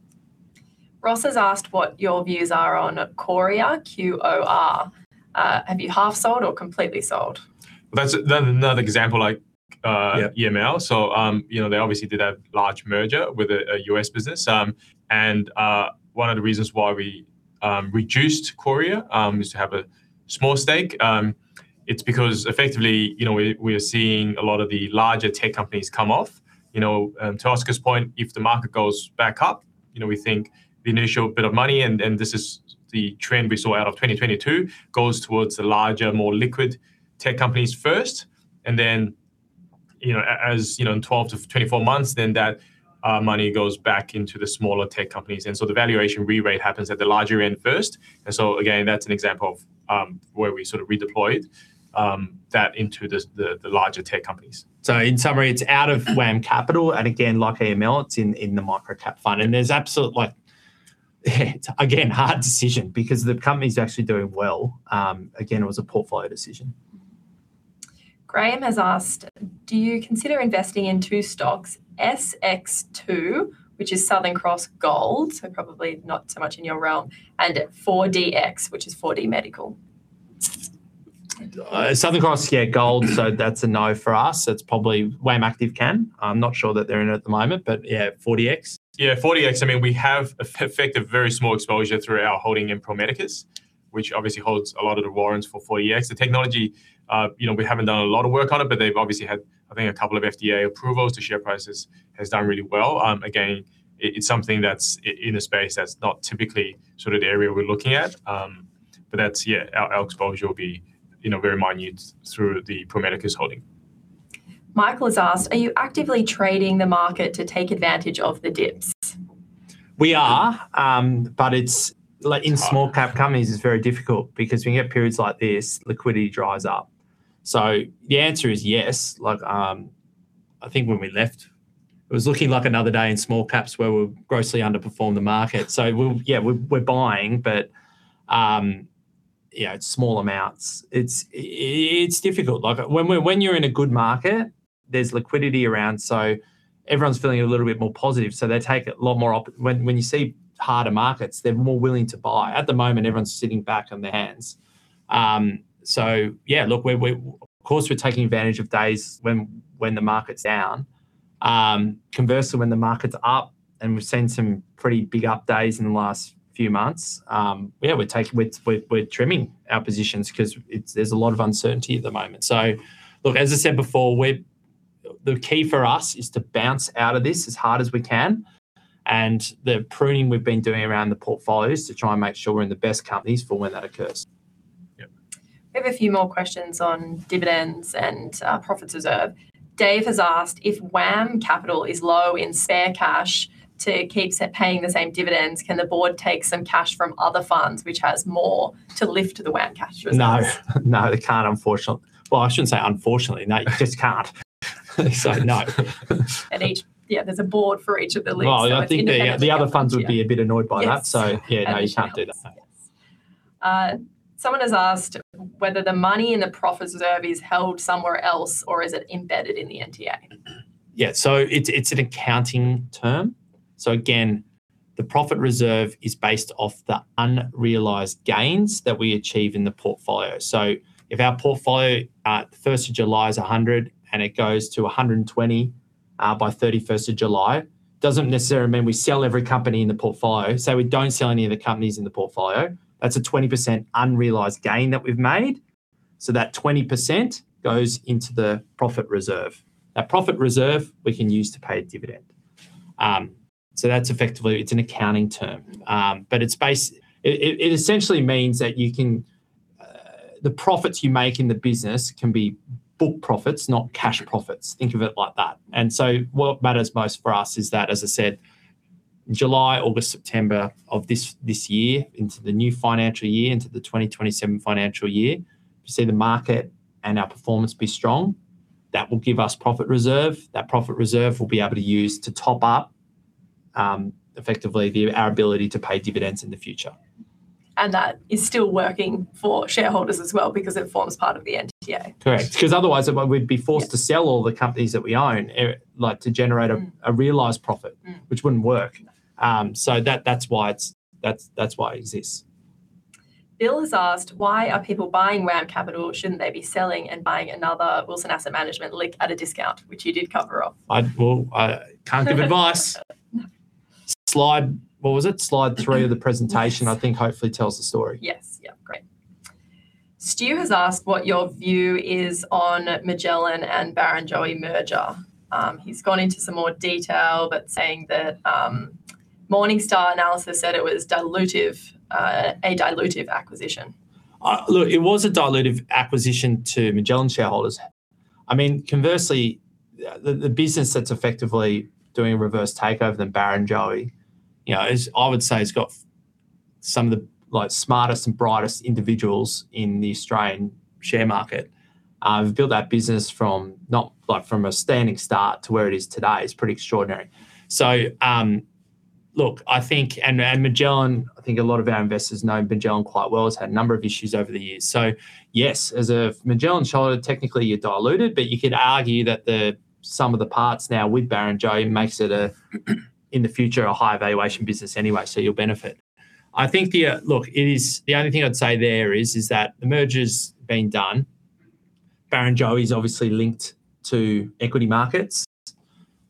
Ross has asked what your views are on Qoria, QOR. Have you half sold or completely sold? Another example like Yeah. EML. They obviously did a large merger with a U.S. business. One of the reasons why we reduced Qoria is to have a small stake, it's because effectively, you know, we are seeing a lot of the larger tech companies come off. You know, to Oscar's point, if the market goes back up, you know, we think the initial bit of money, and this is the trend we saw out of 2022, goes towards the larger, more liquid tech companies first, and then, you know, as you know, in 12-24 months, then that money goes back into the smaller tech companies. The valuation rerate happens at the larger end first. Again, that's an example of where we sort of redeployed that into the larger tech companies. In summary, it's out of WAM Capital, and again, like EML, it's in the Microcap fund. There's absolute, like, again, hard decision because the company's actually doing well. Again, it was a portfolio decision. Graham has asked, do you consider investing in two stocks, SX2, which is Southern Cross Gold, so probably not so much in your realm, and 4DX, which is 4DMedical? Southern Cross Gold, yeah. That's a no for us. It's probably WAM Active can. I'm not sure that they're in it at the moment, but yeah, 4DX. Yeah, 4DX, I mean, we have a very small exposure through our holding in Pro Medicus, which obviously holds a lot of the warrants for 4DX. The technology, you know, we haven't done a lot of work on it, but they've obviously had, I think, a couple of FDA approvals. The share prices has done really well. Again, it's something that's in a space that's not typically sort of the area we're looking at. That's, yeah, our exposure will be, you know, very minute through the Pro Medicus holding. Michael has asked, are you actively trading the market to take advantage of the dips? It's like in small-cap companies, it's very difficult because when you have periods like this, liquidity dries up. The answer is yes. Like, I think when we left, it was looking like another day in small caps where we grossly underperformed the market. Yeah, we're buying, but yeah, it's small amounts. It's difficult. Like when you're in a good market, there's liquidity around, so everyone's feeling a little bit more positive, so they take a lot more. When you see harder markets, they're more willing to buy. At the moment, everyone's sitting back on their hands. Yeah, look, we're taking advantage of days when the market's down. Conversely, when the market's up, and we've seen some pretty big up days in the last few months, yeah, we're trimming our positions 'cause there's a lot of uncertainty at the moment. Look, as I said before, the key for us is to bounce out of this as hard as we can, and the pruning we've been doing around the portfolio is to try and make sure we're in the best companies for when that occurs. We have a few more questions on dividends and profits reserve. Dave has asked if WAM Capital is low in spare cash to keep paying the same dividends, can the board take some cash from other funds which has more to lift the WAM cash reserves? No. No, they can't, unfortunately. Well, I shouldn't say unfortunately. No, you just can't. No. There's a board for each of the links. Well, I think the other funds would be a bit annoyed by that. Yes. Yeah, no, you can't do that. Yes. Someone has asked whether the money in the profit reserve is held somewhere else, or is it embedded in the NTA? It's an accounting term. Again, the profit reserve is based off the unrealized gains that we achieve in the portfolio. If our portfolio at the first of July is 100, and it goes to 120, by 31st of July, it doesn't necessarily mean we sell every company in the portfolio. We don't sell any of the companies in the portfolio. That's a 20% unrealized gain that we've made. That 20% goes into the profit reserve. That profit reserve we can use to pay a dividend. That's effectively an accounting term. But it essentially means the profits you make in the business can be book profits, not cash profits. Think of it like that. What matters most for us is that, as I said, July, August, September of this year into the new financial year, into the 2027 financial year, to see the market and our performance be strong. That will give us profit reserve. That profit reserve we'll be able to use to top up effectively our ability to pay dividends in the future. That is still working for shareholders as well because it forms part of the NTA. Correct. 'Cause otherwise we'd be forced to sell all the companies that we own, like, to generate a realized profit. Mm. Which wouldn't work. That's why it exists. Bill has asked, why are people buying WAM Capital? Shouldn't they be selling and buying another Wilson Asset Management link at a discount? Which you did cover off. Well, I can't give advice. What was it? Slide three of the presentation. Yes. I think hopefully tells the story. Yes. Yeah. Great. Stu has asked what your view is on Magellan and Barrenjoey merger. He's gone into some more detail, but saying that, Morningstar analysis said it was dilutive, a dilutive acquisition. Look, it was a dilutive acquisition to Magellan shareholders. I mean, conversely, the business that's effectively doing a reverse takeover of Barrenjoey, you know, is, I would say, it's got some of the, like, smartest and brightest individuals in the Australian share market. Built that business from, like, a standing start to where it is today. It's pretty extraordinary. Look, I think Magellan, I think a lot of our investors know Magellan quite well. It's had a number of issues over the years. Yes, as a Magellan shareholder, technically, you're diluted, but you could argue that the sum of the parts now with Barrenjoey makes it, in the future, a high valuation business anyway, so you'll benefit. I think the. Look, it is. The only thing I'd say there is that the merger's been done. Barrenjoey's obviously linked to equity markets,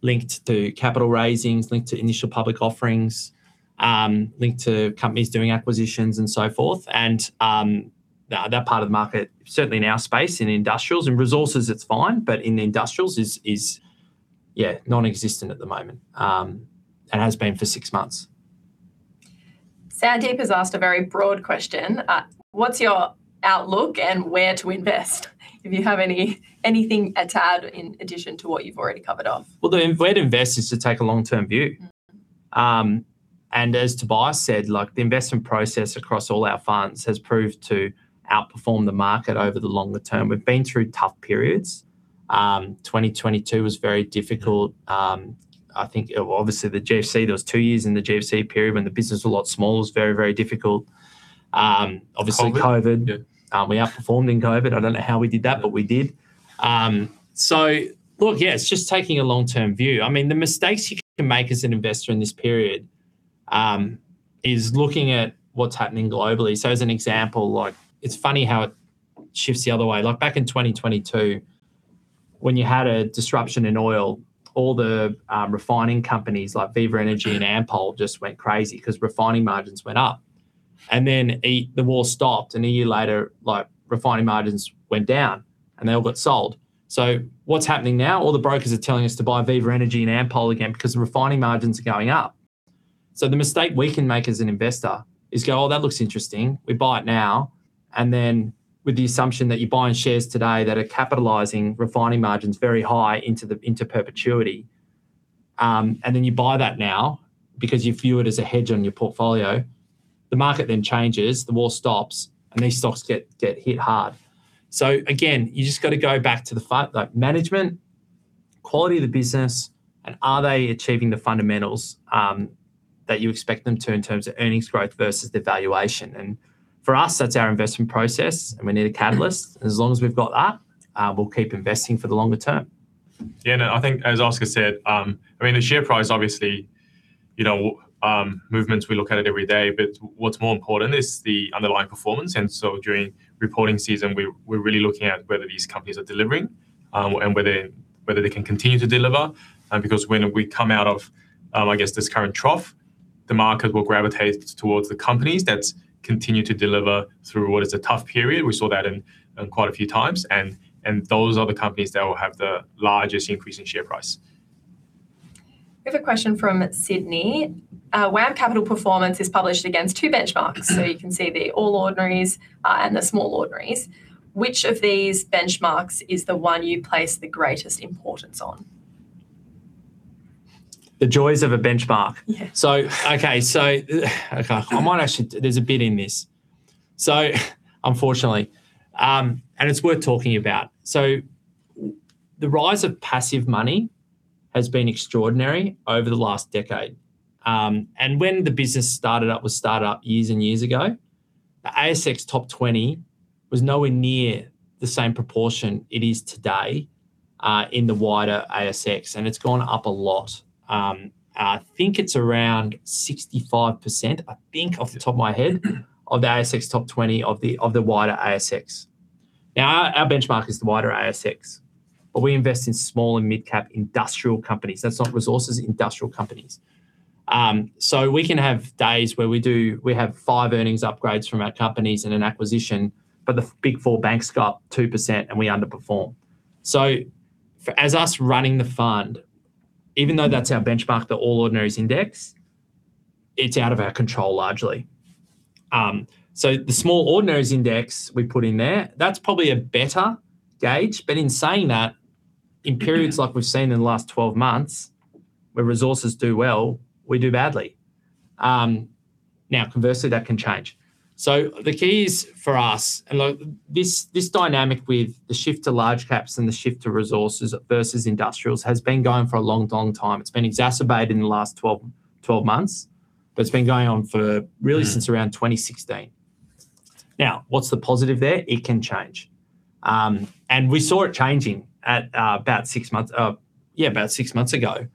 linked to capital raisings, linked to initial public offerings, linked to companies doing acquisitions and so forth. That part of the market, certainly in our space, in industrials, in resources, it's fine, but in industrials is yeah non-existent at the moment, and has been for six months. Sandeep has asked a very broad question. What's your outlook and where to invest, if you have anything at all in addition to what you've already covered off? Well, where to invest is to take a long-term view. Mm. As Tobias said, like, the investment process across all our funds has proved to outperform the market over the longer term. We've been through tough periods. 2022 was very difficult. I think, obviously, the GFC, those two years in the GFC period when the business was a lot smaller was very, very difficult. COVID. COVID. Yeah. We outperformed in COVID. I don't know how we did that, but we did. Look, yeah, it's just taking a long-term view. I mean, the mistakes you can make as an investor in this period is looking at what's happening globally. As an example, like, it's funny how it shifts the other way. Like back in 2022, when you had a disruption in oil, all the refining companies like Viva Energy and Ampol just went crazy 'cause refining margins went up. Then the war stopped, and a year later, like, refining margins went down, and they all got sold. What's happening now? All the brokers are telling us to buy Viva Energy and Ampol again because the refining margins are going up. The mistake we can make as an investor is go, "Oh, that looks interesting." We buy it now, and then with the assumption that you're buying shares today that are capitalizing refining margins very high into perpetuity, and then you buy that now because you view it as a hedge on your portfolio. The market then changes, the war stops, and these stocks get hit hard. You just gotta go back to the like management, quality of the business, and are they achieving the fundamentals that you expect them to in terms of earnings growth versus the valuation? For us, that's our investment process, and we need a catalyst. As long as we've got that, we'll keep investing for the longer term. Yeah, no, I think as Oscar said, I mean, the share price, obviously, you know, movements, we look at it every day, but what's more important is the underlying performance. During reporting season, we're really looking at whether these companies are delivering, and whether they can continue to deliver. Because when we come out of, I guess this current trough, the market will gravitate towards the companies that's continued to deliver through what is a tough period. We saw that in quite a few times. Those are the companies that will have the largest increase in share price. We have a question from Sydney. WAM Capital performance is published against two benchmarks. Mm-hmm. You can see the All Ordinaries and the Small Ordinaries. Which of these benchmarks is the one you place the greatest importance on? The joys of a benchmark. Yeah. There's a bit in this, so unfortunately, and it's worth talking about. The rise of passive money has been extraordinary over the last decade. When the business started up with startup years and years ago, the ASX top 20 was nowhere near the same proportion it is today in the wider ASX, and it's gone up a lot. I think it's around 65%, I think, off the top of my head, of the ASX top 20 of the wider ASX. Our benchmark is the wider ASX, but we invest in small- and mid-cap industrial companies. That's not resources, industrial companies. We can have days where we have five earnings upgrades from our companies in an acquisition, but the big four banks got 2% and we underperform. For us running the fund, even though that's our benchmark, the All Ordinaries Index, it's out of our control largely. The Small Ordinaries Index we put in there, that's probably a better gauge. In saying that, in periods like we've seen in the last 12 months, where resources do well, we do badly. Now conversely, that can change. The keys for us, look, this dynamic with the shift to large caps and the shift to resources versus industrials has been going for a long, long time. It's been exacerbated in the last 12 months, but it's been going on really since around 2016. Now, what's the positive there? It can change. We saw it changing about six months ago.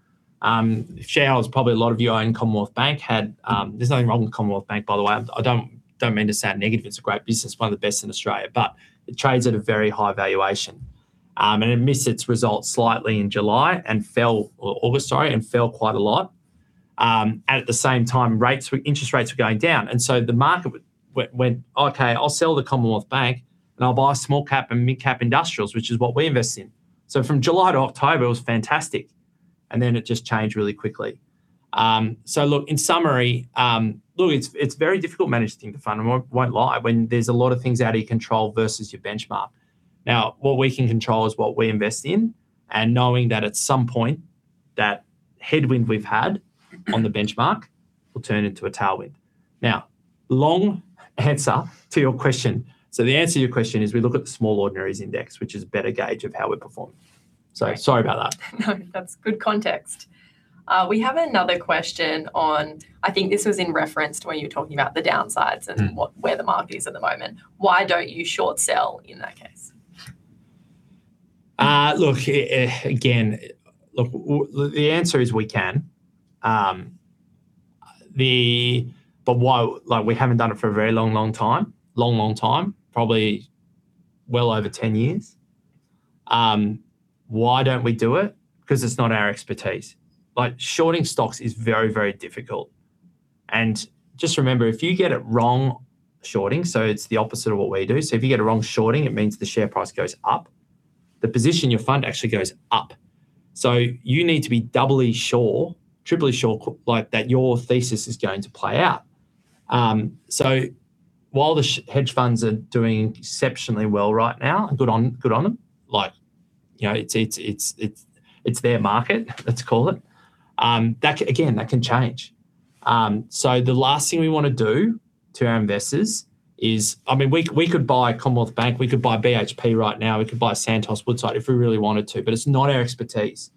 Shares, probably a lot of you own Commonwealth Bank. There's nothing wrong with Commonwealth Bank, by the way. I don't mean to sound negative. It's a great business, one of the best in Australia, but it trades at a very high valuation. It missed its results slightly in July or August, sorry, and fell quite a lot. At the same time, interest rates were going down, and so the market went, "Okay, I'll sell the Commonwealth Bank, and I'll buy small cap and mid cap industrials," which is what we invest in. From July to October, it was fantastic, and then it just changed really quickly. Look, in summary, look, it's very difficult managing the fund, I won't lie, when there's a lot of things out of your control versus your benchmark. Now, what we can control is what we invest in, and knowing that at some point, that headwind we've had on the benchmark will turn into a tailwind. Now, long answer to your question. The answer to your question is, we look at the Small Ordinaries Index, which is a better gauge of how we perform. Sorry about that. No, that's good context. We have another question, I think this was in reference to when you were talking about the downsides. Mm. What, where the market is at the moment? Why don't you short sell in that case? Look, the answer is, we can. Why, like, we haven't done it for a very long time. Probably well over 10 years. Why don't we do it? Because it's not our expertise. Like, shorting stocks is very, very difficult, and just remember, if you get it wrong shorting, so it's the opposite of what we do, so if you get it wrong shorting, it means the share price goes up, the position your fund actually goes up. You need to be doubly sure, triply sure, like, that your thesis is going to play out. So while the hedge funds are doing exceptionally well right now, and good on them, like, you know, it's their market, let's call it, that can change. Again, that can change. The last thing we wanna do to our investors is, I mean, we could buy Commonwealth Bank, we could buy BHP right now, we could buy Santos, Woodside if we really wanted to, but it's not our expertise.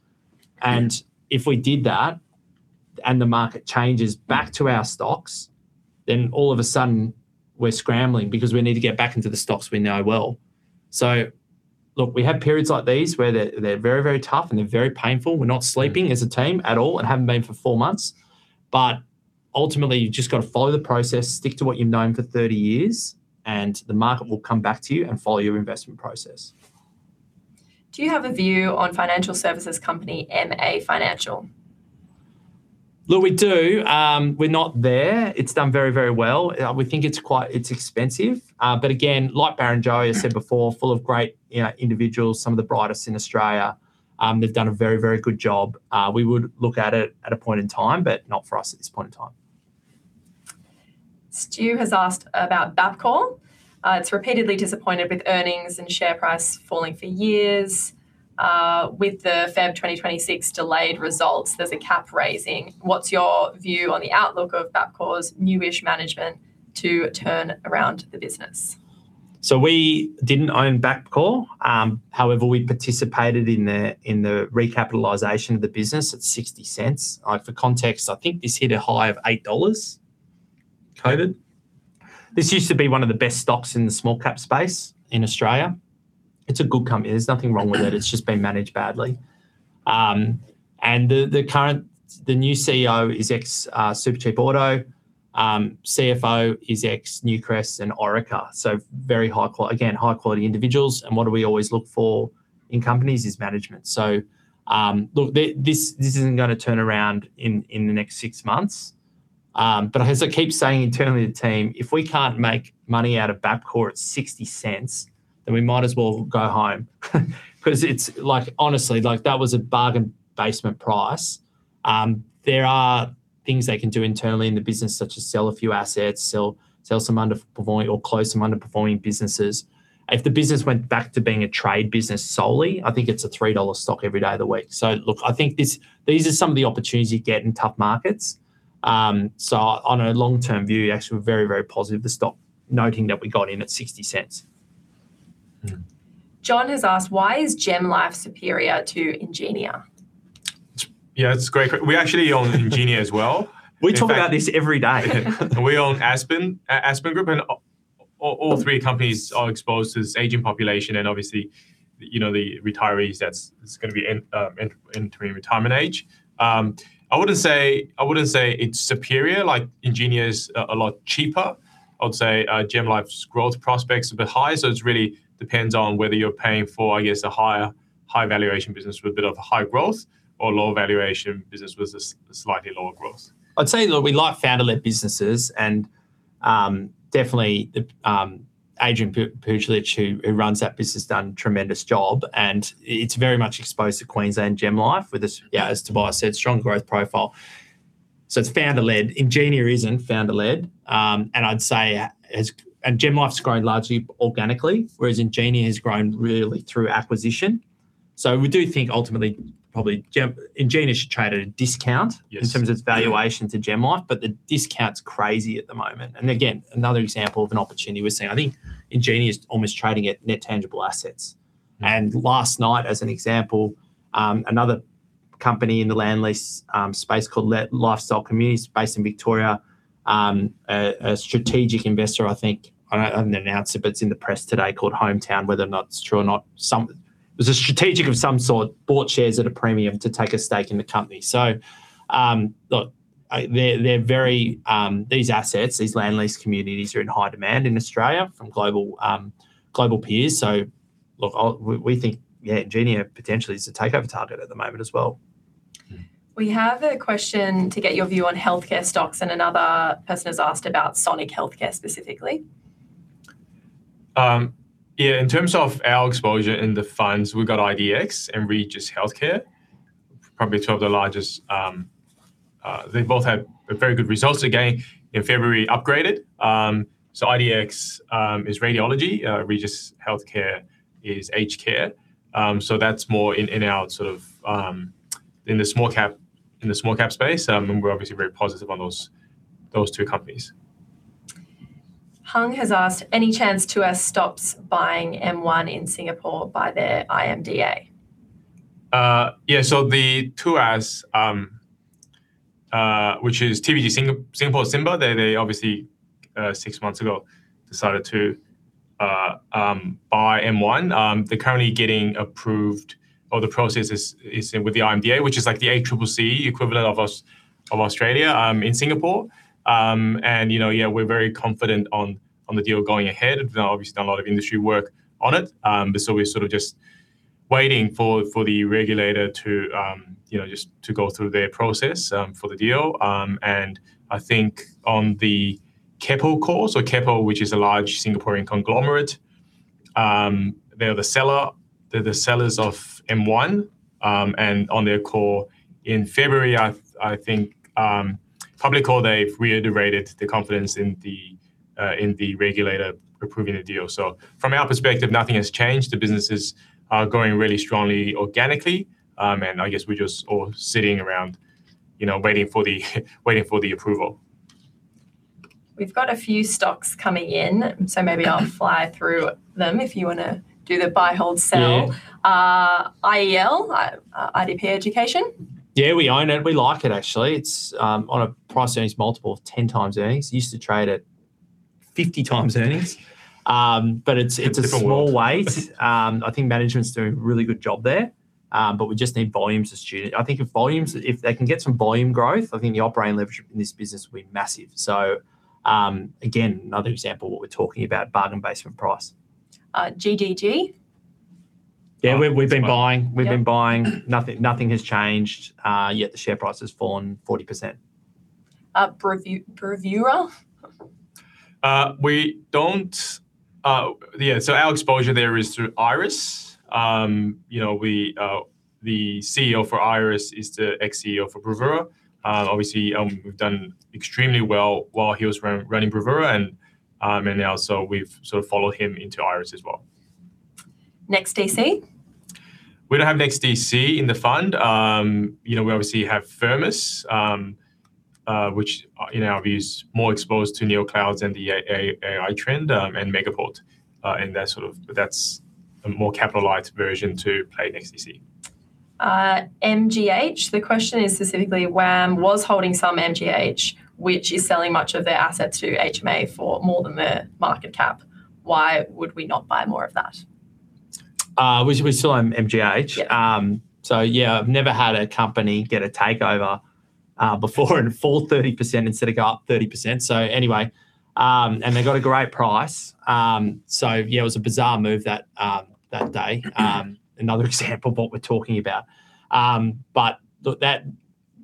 Yeah. If we did that, and the market changes back to our stocks, then all of a sudden we're scrambling, because we need to get back into the stocks we know well. Look, we have periods like these where they're very, very tough and they're very painful. We're not sleeping as a team at all, and haven't been for four months. Ultimately, you've just gotta follow the process, stick to what you've known for 30 years, and the market will come back to you and follow your investment process. Do you have a view on financial services company MA Financial? Look, we do. We're not there. It's done very, very well. We think it's quite expensive. Again, like Barrenjoey, I said before, full of great, you know, individuals, some of the brightest in Australia. They've done a very, very good job. We would look at it at a point in time, but not for us at this point in time. Stu has asked about Bapcor. It's repeatedly disappointed with earnings and share price falling for years. With the February 2026 delayed results, there's a capital raising. What's your view on the outlook of Bapcor's new-ish management to turn around the business? We didn't own Bapcor. However, we participated in the recapitalization of the business at 0.60. For context, I think this hit a high of 8 dollars. COVID. This used to be one of the best stocks in the small cap space in Australia. It's a good company. There's nothing wrong with it. It's just been managed badly. The current, the new CEO is ex-Supercheap Auto. CFO is ex-Newcrest and Orica, so very high quality again, high-quality individuals, and what do we always look for in companies is management. Look, this isn't gonna turn around in the next six months, but as I keep saying internally to the team, if we can't make money out of Bapcor at 0.60, then we might as well go home. 'Cause it's- Like, honestly, like, that was a bargain basement price. There are things they can do internally in the business, such as sell a few assets, sell some underperforming or close some underperforming businesses. If the business went back to being a trade business solely, I think it's an 3 dollar stock every day of the week. Look, I think this, these are some of the opportunities you get in tough markets. On a long-term view, actually we're very, very positive of the stock, noting that we got in at 0.60. John has asked, "Why is GemLife superior to Ingenia? Yeah, it's a great question. We actually own Ingenia as well. We talk about this every day. We own Aspen Group, and all three companies are exposed to this aging population, and obviously, you know, the retirees that's gonna be entering retirement age. I wouldn't say it's superior. Like, Ingenia is a lot cheaper. I would say, GemLife's growth prospects are a bit higher, so it's really depends on whether you're paying for, I guess, a higher high valuation business with a bit of high growth or a lower valuation business with a slightly lower growth. I'd say, though, we like founder-led businesses, and definitely Adrian Puljich, who runs that business, has done a tremendous job, and it's very much exposed to Queensland, GemLife, with its, as Tobias said, strong growth profile. It's founder-led. Ingenia isn't founder-led. GemLife's grown largely organically, whereas Ingenia has grown really through acquisition. We do think ultimately, probably Ingenia should trade at a discount. Yes.... in terms of its valuation to GemLife, but the discount's crazy at the moment. Again, another example of an opportunity we're seeing. I think Ingenia is almost trading at net tangible assets. Last night, as an example, another company in the land lease space called Lifestyle Communities based in Victoria, a strategic investor, I think it hasn't been announced, but it's in the press today, called Hometown, whether or not it's true or not, It was a strategic of some sort, bought shares at a premium to take a stake in the company. Look, whey're very, these assets, these land lease communities are in high demand in Australia from global global peers. Look, We think, yeah, Ingenia potentially is a takeover target at the moment as well. Mm. We have a question to get your view on healthcare stocks, and another person has asked about Sonic Healthcare specifically. Yeah, in terms of our exposure in the funds, we've got IDX and Regis Healthcare, probably two of the largest. They both have very good results. Again, in February, upgraded. IDX is radiology. Regis Healthcare is aged care. That's more in our sort of small cap space. We're obviously very positive on those two companies. Hung has asked, "Any chance Tuas stops buying M1 in Singapore by their IMDA? Yeah, the Tuas, which is TPG Singapore Simba. They obviously, six months ago, decided to buy M1. They're currently getting approved, or the process is in with the IMDA, which is like the ACCC equivalent of Australia in Singapore. You know, yeah, we're very confident on the deal going ahead. We've obviously done a lot of industry work on it. We're sort of just waiting for the regulator to you know just to go through their process for the deal. I think on the Keppel call, so Keppel, which is a large Singaporean conglomerate, they're the sellers of M1, and on their call in February, I think, probably call they've reiterated the confidence in the regulator approving the deal. From our perspective, nothing has changed. The businesses are going really strongly organically, and I guess we're just all sitting around, you know, waiting for the approval. We've got a few stocks coming in, so maybe I'll fly through them if you wanna do the buy, hold, sell. Yeah. IEL, IDP Education. Yeah, we own it. We like it actually. It's on a price earnings multiple of 10x earnings. Used to trade at 50x earnings. But it's a small- Different world.... weight. I think management's doing a really good job there, but we jus. Need volumes of student. I think if they can get some volume growth, I think the operating leverage in this business will be massive. Again, another example of what we're talking about, bargain basement price. GDG. Yeah, we've been buying. Yeah. We've been buying. Nothing has changed, yet the share price has fallen 40%. Bravura. Yeah, our exposure there is through Iress. You know, the CEO for Iress is the ex-CEO for Bravura. Obviously, we've done extremely well while he was running Bravura, and now we've sort of followed him into Iress as well. NEXTDC. We don't have NEXTDC in the fund. You know, we obviously have Firmus, which, in our view, is more exposed to neoclouds and the AI trend, and Megaport, and that sort of. That's a more capitalized version to play NEXTDC. MGH. The question is specifically, WAM was holding some MGH, which is selling much of their assets to HMC for more than the market cap. Why would we not buy more of that? We still own MGH. Yeah. Yeah, I've never had a company get a takeover before and fall 30% instead of go up 30%. They got a great price. It was a bizarre move that day. Another example of what we're talking about.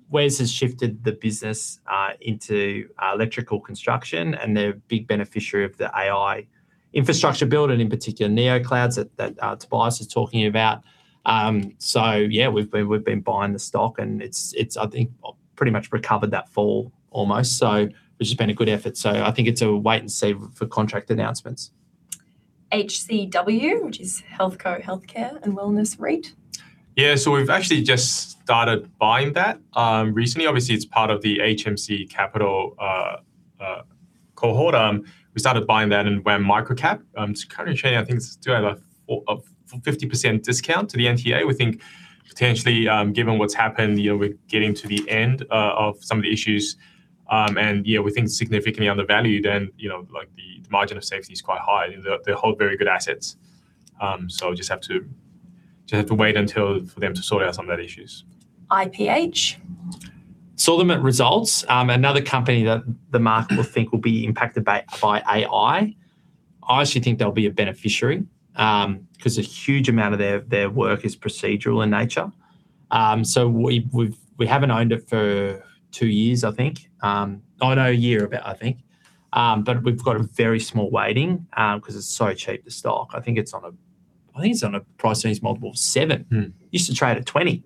Wes has shifted the business into electrical construction, and the big beneficiary of the AI infrastructure build, and in particular neoclouds that Tobias was talking about. We've been buying the stock, and it's, I think pretty much recovered that fall almost, which has been a good effort. I think it's a wait and see for contract announcements. HCW, which is HealthCo Healthcare and Wellness REIT. Yeah. We've actually just started buying that recently. Obviously, it's part of the HMC Capital cohort. We started buying that in WAM Microcap. It's currently trading, I think it's still at a 50% discount to the NTA. We think potentially, given what's happened, you know, we're getting to the end of some of the issues, and yeah, we think significantly undervalued and, you know, like the margin of safety is quite high. They hold very good assets. We just have to wait until for them to sort out some of that issues. IPH. Solid results, another company that the market will think will be impacted by AI. I actually think they'll be a beneficiary, 'cause a huge amount of their work is procedural in nature. We haven't owned it for two years, I think. Oh, no, about a year, I think. We've got a very small weighting, 'cause it's so cheap, the stock. I think it's on a price earnings multiple of seven. Mm. Used to trade at 20.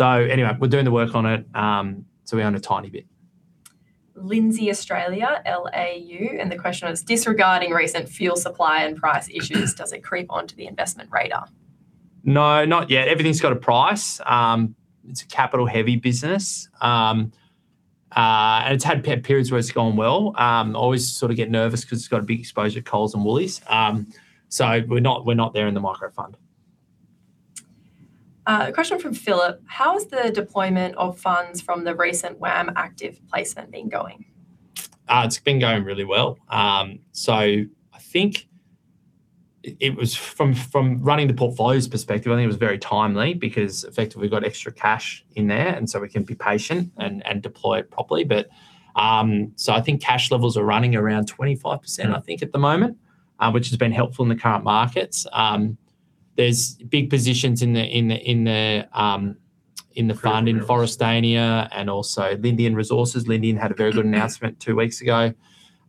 Anyway, we're doing the work on it, so we own a tiny bit. Lindsay Australia, LAU, and the question was: Disregarding recent fuel supply and price issues, does it creep onto the investment radar? No, not yet. Everything's got a price. It's a capital heavy business. It's had periods where it's gone well. Always sort of get nervous 'cause it's got a big exposure to Coles and Woolies. We're not there in the micro fund. A question from Philip: How has the deployment of funds from the recent WAM Active placement been going? It's been going really well. I think it was from running the portfolios perspective very timely because effectively we've got extra cash in there, and so we can be patient and deploy it properly. I think cash levels are running around 25%, I think at the moment. Mm. Which has been helpful in the current markets. There's big positions in the fund in Forrestania and also Lindian Resources. Lindian had a very good announcement two weeks ago.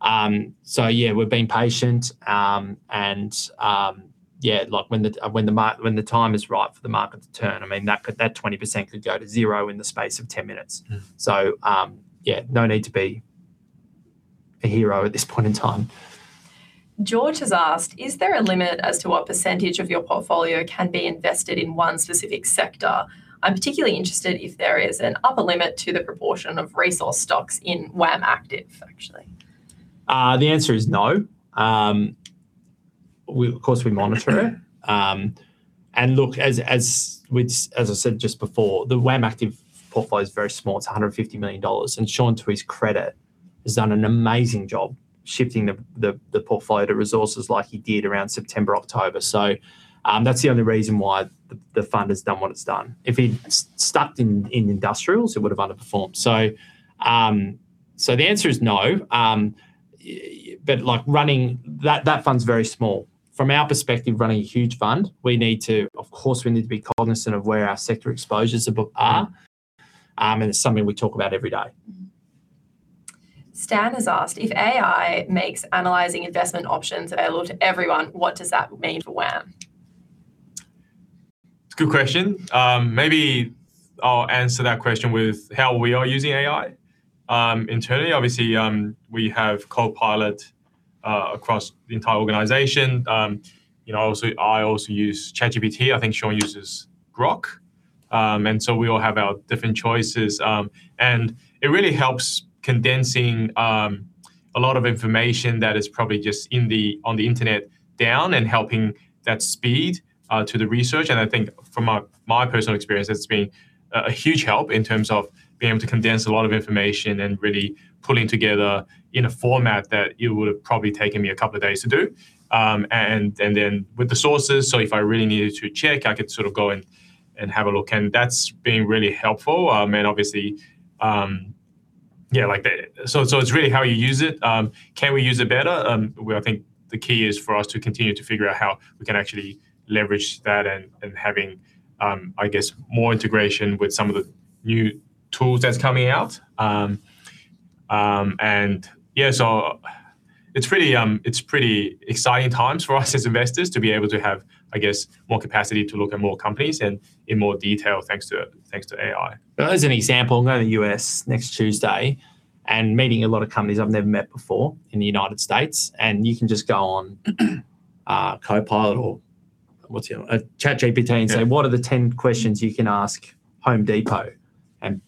Yeah, we've been patient. Yeah, like when the time is right for the market to turn, I mean, that 20% could go to zero in the space of 10 minutes. Mm. Yeah, no need to be a hero at this point in time. George has asked: Is there a limit as to what percentage of your portfolio can be invested in one specific sector? I'm particularly interested if there is an upper limit to the proportion of resource stocks in WAM Active, actually. The answer is no. Of course we monitor it. Okay. Look, as I said just before, the WAM Active portfolio is very small. It's 150 million dollars, and Shaun, to his credit, has done an amazing job shifting the portfolio to resources like he did around September, October. That's the only reason why the fund has done what it's done. If he'd stuck in industrials, it would have underperformed. The answer is no. But like running that fund's very small. From our perspective, running a huge fund, we need to, of course, be cognizant of where our sector exposures are, and it's something we talk about every day. Stan has asked: If AI makes analyzing investment options available to everyone, what does that mean for WAM? It's a good question. Maybe I'll answer that question with how we are using AI internally. Obviously, we have Copilot across the entire organization. You know, obviously, I also use ChatGPT. I think Shaun uses Grok. We all have our different choices. It really helps condensing a lot of information that is probably just in the on the internet down and helping that speed to the research. I think from my personal experience, it's been a huge help in terms of being able to condense a lot of information and really pulling together in a format that it would have probably taken me a couple of days to do. With the sources, so if I really needed to check, I could sort of go and have a look, and that's been really helpful. Obviously, it's really how you use it. Can we use it better? Well, I think the key is for us to continue to figure out how we can actually leverage that and having more integration with some of the new tools that's coming out. It's pretty exciting times for us as investors to be able to have more capacity to look at more companies and in more detail thanks to AI. As an example, I'm going to the U.S. next Tuesday and meeting a lot of companies I've never met before in the United States, and you can just go on Copilot or ChatGPT. Yeah. Say, "What are the 10 questions you can ask Home Depot?"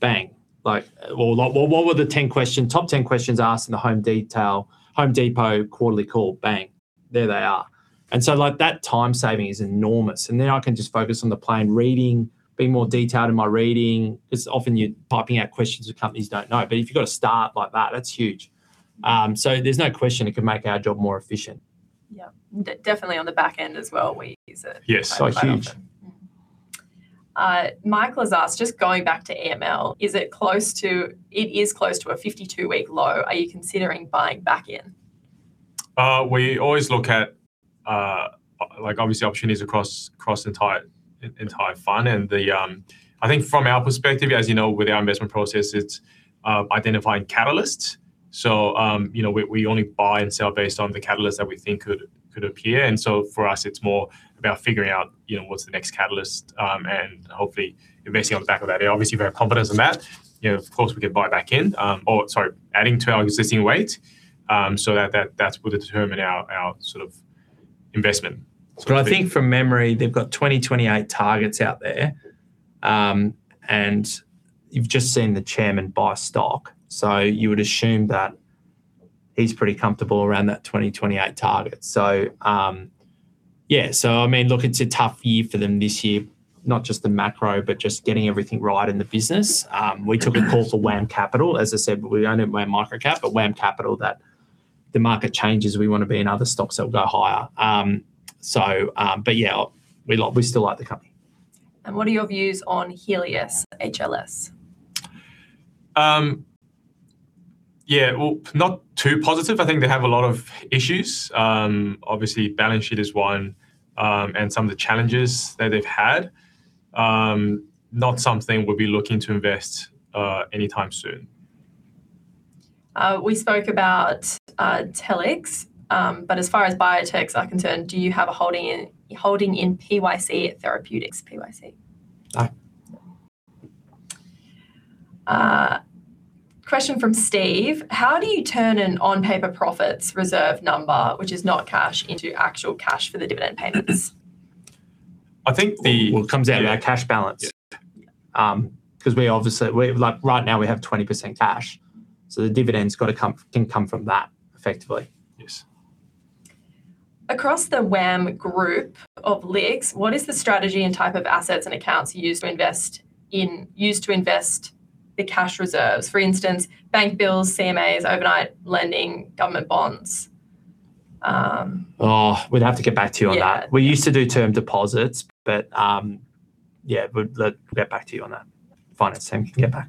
Bang. Like, what were the top 10 questions asked in the Home Depot quarterly call? Bang, there they are. Like, that time saving is enormous. Then I can just focus on the plain reading, be more detailed in my reading, 'cause often you're typing out questions the companies don't know. If you've got a start like that's huge. There's no question it can make our job more efficient. Yeah. Definitely on the back end as well, we use it. Yes, huge. Quite often. Michael has asked, just going back to EML, is it close to. It is close to a 52-week low. Are you considering buying back in? We always look at, like obviously options across the entire fund. I think from our perspective, as you know, with our investment process, it's identifying catalysts. You know, we only buy and sell based on the catalysts that we think could appear. For us, it's more about figuring out, you know, what's the next catalyst, and hopefully investing on the back of that. Obviously, we're confident in that. You know, of course, we could buy back in, or sorry, adding to our existing weight, so that would determine our sort of investment. I think from memory, they've got 2028 targets out there. You've just seen the chairman buy stock. You would assume that he's pretty comfortable around that 2028 target. It's a tough year for them this year, not just the macro, but just getting everything right in the business. We took a call for WAM Capital. As I said, we own it WAM Microcap, but WAM Capital that the market changes, we wanna be in other stocks that will go higher. We still like the company. What are your views on Healius, HLS? Yeah. Well, not too positive. I think they have a lot of issues. Obviously, balance sheet is one, and some of the challenges that they've had. Not something we'll be looking to invest anytime soon. We spoke about Telix. As far as biotechs are concerned, do you have a holding in PYC, Therapeutics PYC? No. Question from Steve: How do you turn an on-paper profits reserve number, which is not cash, into actual cash for the dividend payments? I think the. Well, it comes out of our cash balance. Like right now, we have 20% cash, so the dividend's gotta come, can come from that effectively. Yes. Across the WAM Group of LICs, what is the strategy and type of assets and accounts you use to invest in, use to invest the cash reserves? For instance, bank bills, CMAs, overnight lending, government bonds. Oh, we'd have to get back to you on that. Yeah. We used to do term deposits, but yeah, we'd get back to you on that. Finance team can get back.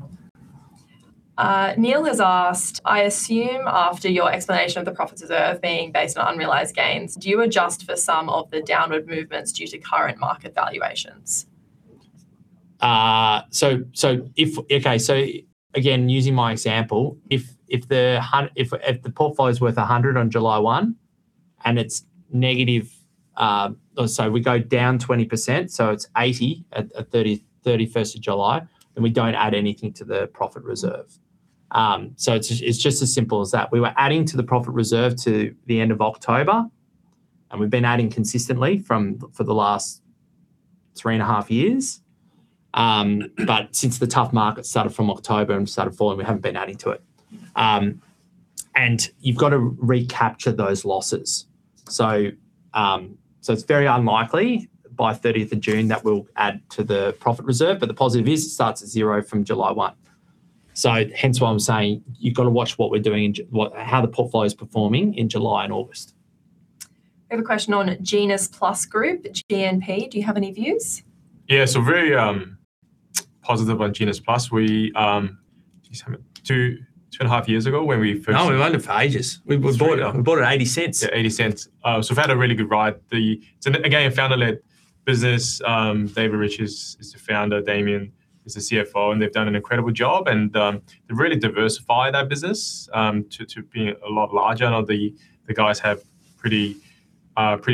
Neil has asked, "I assume after your explanation of the profits reserve being based on unrealized gains, do you adjust for some of the downward movements due to current market valuations? Again, using my example, if the portfolio is worth 100 on July 1 and it's negative, or sorry, we go down 20%, so it's 80 at July 31st, then we don't add anything to the profit reserve. It's just as simple as that. We were adding to the profit reserve to the end of October, and we've been adding consistently for the last 3.5 years. Since the tough market started from October and started falling, we haven't been adding to it. You've got to recapture those losses. It's very unlikely by 30th of June that we'll add to the profit reserve, but the positive is it starts at zero from July 1. Hence why I'm saying you've got to watch how the portfolio is performing in July and August. We have a question on GenusPlus Group, GNP. Do you have any views? Very positive on GenusPlus. We 2.5 years ago when we first- No, we've owned it for ages. We bought it at 0.80. Yeah, 0.80. We've had a really good ride. Again, a founder-led business. David Rich is the founder, Damian is the CFO, and they've done an incredible job and they've really diversified our business to being a lot larger. I know the guys have pretty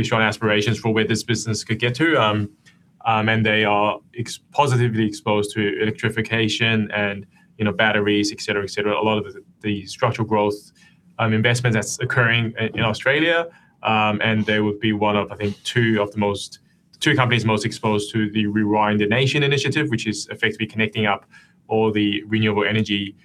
strong aspirations for where this business could get to. They are positively exposed to electrification and, you know, batteries, et cetera, et cetera. A lot of the structural growth investment that's occurring in Australia, and they would be one of the two companies most exposed to the Rewiring the Nation initiative, which is effectively connecting up all the renewable energy